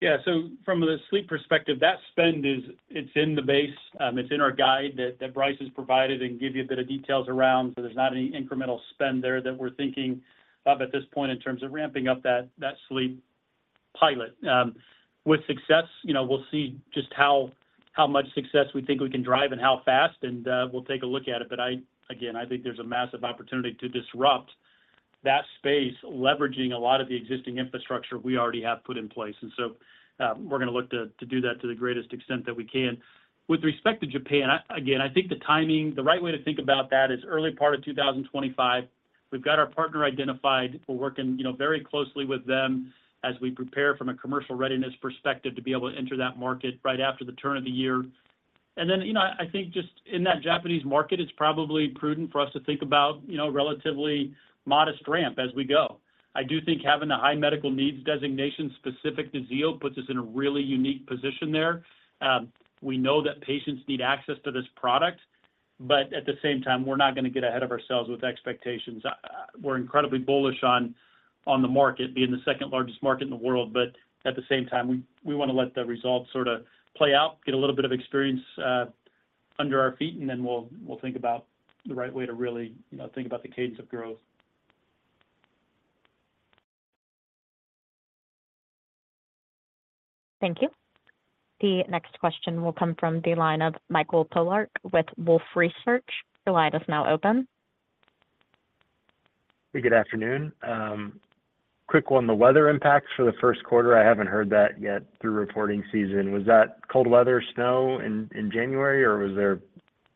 Yeah. So from the sleep perspective, that spend, it's in the base. It's in our guide that Brice has provided and gives you a bit of details around. So there's not any incremental spend there that we're thinking of at this point in terms of ramping up that Sleep pilot. With success, we'll see just how much success we think we can drive and how fast, and we'll take a look at it. But again, I think there's a massive opportunity to disrupt that space leveraging a lot of the existing infrastructure we already have put in place. And so we're going to look to do that to the greatest extent that we can. With respect to Japan, again, I think the timing, the right way to think about that is early part of 2025. We've got our partner identified. We're working very closely with them as we prepare from a commercial readiness perspective to be able to enter that market right after the turn of the year. Then I think just in that Japanese market, it's probably prudent for us to think about a relatively modest ramp as we go. I do think having the High Medical Needs designation specific to Zio puts us in a really unique position there. We know that patients need access to this product. But at the same time, we're not going to get ahead of ourselves with expectations. We're incredibly bullish on the market, being the second-largest market in the world. But at the same time, we want to let the results sort of play out, get a little bit of experience under our feet, and then we'll think about the right way to really think about the cadence of growth. Thank you. The next question will come from the line of Michael Polark with Wolfe Research. Your line is now open. Hey, good afternoon. Quick one. The weather impacts for the first quarter, I haven't heard that yet through reporting season. Was that cold weather, snow in January, or was there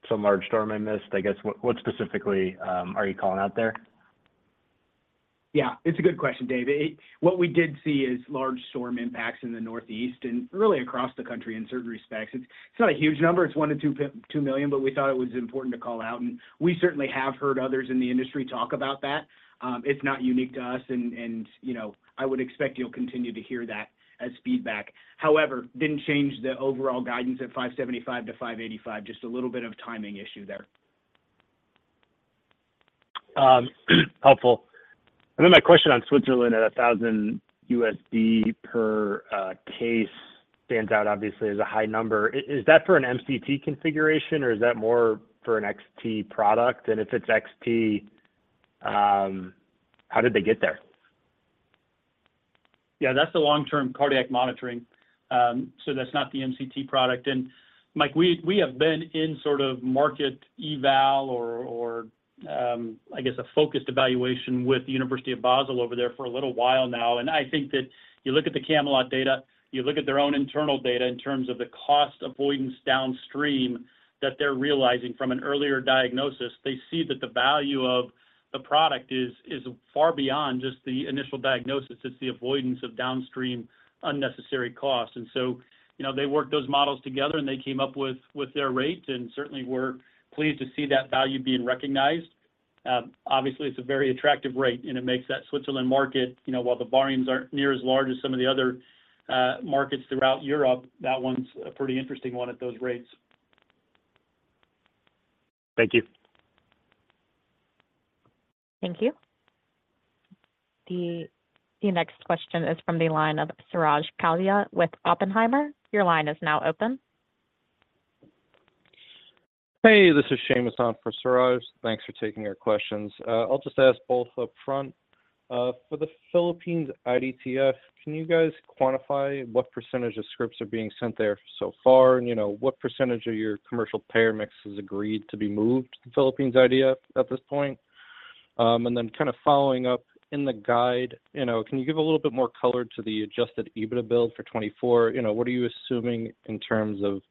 some large storm I missed? I guess, what specifically are you calling out there? Yeah. It's a good question, David. What we did see is large storm impacts in the northeast and really across the country in certain respects. It's not a huge number. It's $1 million-$2 million, but we thought it was important to call out. And we certainly have heard others in the industry talk about that. It's not unique to us. And I would expect you'll continue to hear that as feedback. However, it didn't change the overall guidance at $575 million-$585 million, just a little bit of timing issue there. Helpful. And then my question on Switzerland at $1,000 per case stands out, obviously, as a high number. Is that for an MCT configuration, or is that more for an XT product? And if it's XT, how did they get there? Yeah. That's the long-term cardiac monitoring. So that's not the MCT product. And, Mike, we have been in sort of market eval or, I guess, a focused evaluation with the University of Basel over there for a little while now. And I think that you look at the CAMELOT data, you look at their own internal data in terms of the cost avoidance downstream that they're realizing from an earlier diagnosis, they see that the value of the product is far beyond just the initial diagnosis. It's the avoidance of downstream unnecessary cost. And so they worked those models together, and they came up with their rate. And certainly, we're pleased to see that value being recognized. Obviously, it's a very attractive rate, and it makes that Switzerland market, while the volumes aren't near as large as some of the other markets throughout Europe, that one's a pretty interesting one at those rates. Thank you. Thank you. The next question is from the line of Suraj Kalia with Oppenheimer. Your line is now open. Hey. This is Shane Wissner for Suraj. Thanks for taking our questions. I'll just ask both upfront. For the Philippines IDTF, can you guys quantify what percentage of scripts are being sent there so far? And what percentage of your commercial payer mix has agreed to be moved to the Philippines IDTF at this point? And then kind of following up, in the guide, can you give a little bit more color to the Adjusted EBITDA build for 2024? What are you assuming in terms of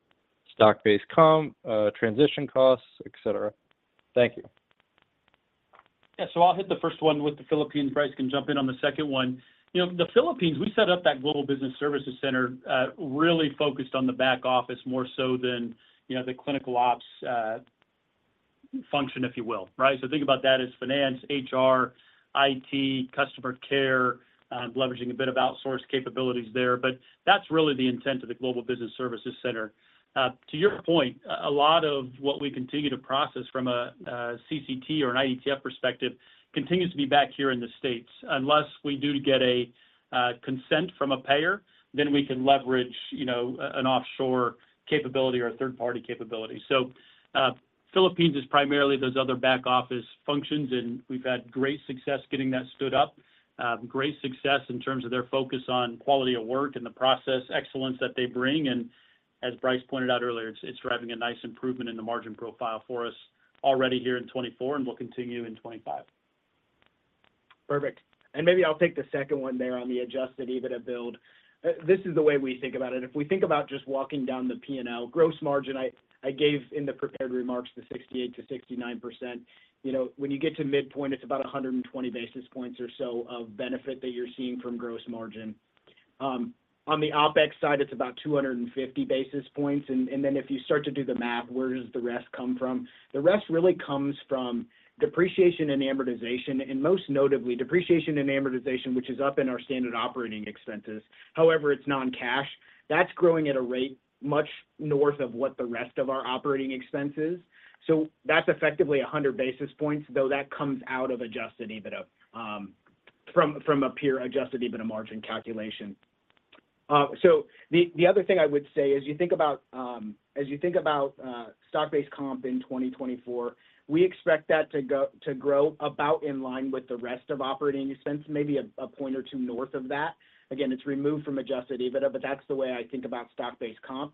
stock-based comp, transition costs, etc.? Thank you. Yeah. So I'll hit the first one with the Philippines. Brice can jump in on the second one. The Philippines, we set up that global business services center really focused on the back office more so than the clinical ops function, if you will, right? So think about that as finance, HR, IT, customer care, leveraging a bit of outsource capabilities there. But that's really the intent of the global business services center. To your point, a lot of what we continue to process from a CCT or an IDTF perspective continues to be back here in the States. Unless we do get a consent from a payer, then we can leverage an offshore capability or a third-party capability. Philippines is primarily those other back office functions, and we've had great success getting that stood up, great success in terms of their focus on quality of work and the process excellence that they bring. And as Brice pointed out earlier, it's driving a nice improvement in the margin profile for us already here in 2024 and will continue in 2025. Perfect. And maybe I'll take the second one there on the adjusted EBITDA build. This is the way we think about it. If we think about just walking down the P&L, gross margin, I gave in the prepared remarks the 68%-69%. When you get to midpoint, it's about 120 basis points or so of benefit that you're seeing from gross margin. On the OpEx side, it's about 250 basis points. And then if you start to do the math, where does the rest come from? The rest really comes from depreciation and amortization. Most notably, depreciation and amortization, which is up in our standard operating expenses. However, it's non-cash. That's growing at a rate much north of what the rest of our operating expense is. So that's effectively 100 basis points, though that comes out of adjusted EBITDA from a pure adjusted EBITDA margin calculation. So the other thing I would say is you think about as you think about stock-based comp in 2024, we expect that to grow about in line with the rest of operating expense, maybe a point or two north of that. Again, it's removed from adjusted EBITDA, but that's the way I think about stock-based comp.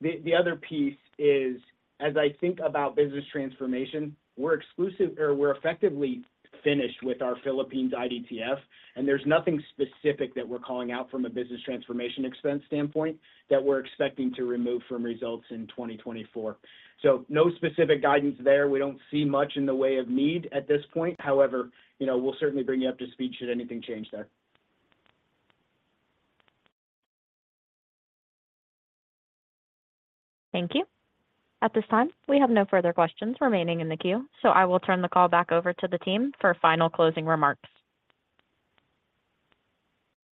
The other piece is, as I think about business transformation, we're exclusive or we're effectively finished with our Philippines IDTF. There's nothing specific that we're calling out from a business transformation expense standpoint that we're expecting to remove from results in 2024. So no specific guidance there. We don't see much in the way of need at this point. However, we'll certainly bring you up to speed should anything change there. Thank you. At this time, we have no further questions remaining in the queue. So I will turn the call back over to the team for final closing remarks.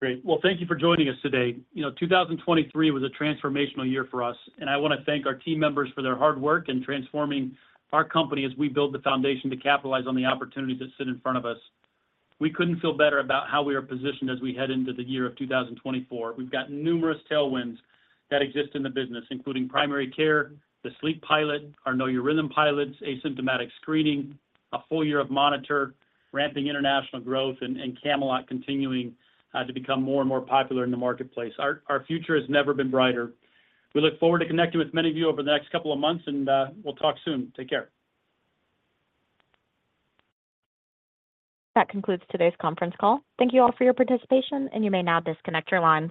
Great. Well, thank you for joining us today. 2023 was a transformational year for us, and I want to thank our team members for their hard work in transforming our company as we build the foundation to capitalize on the opportunities that sit in front of us. We couldn't feel better about how we are positioned as we head into the year of 2024. We've got numerous tailwinds that exist in the business, including primary care, the Sleep pilot, our Know Your Rhythm pilots, asymptomatic screening, a full year of monitor, ramping international growth, and CAMELOT continuing to become more and more popular in the marketplace. Our future has never been brighter. We look forward to connecting with many of you over the next couple of months, and we'll talk soon. Take care. That concludes today's conference call. Thank you all for your participation, and you may now disconnect your lines.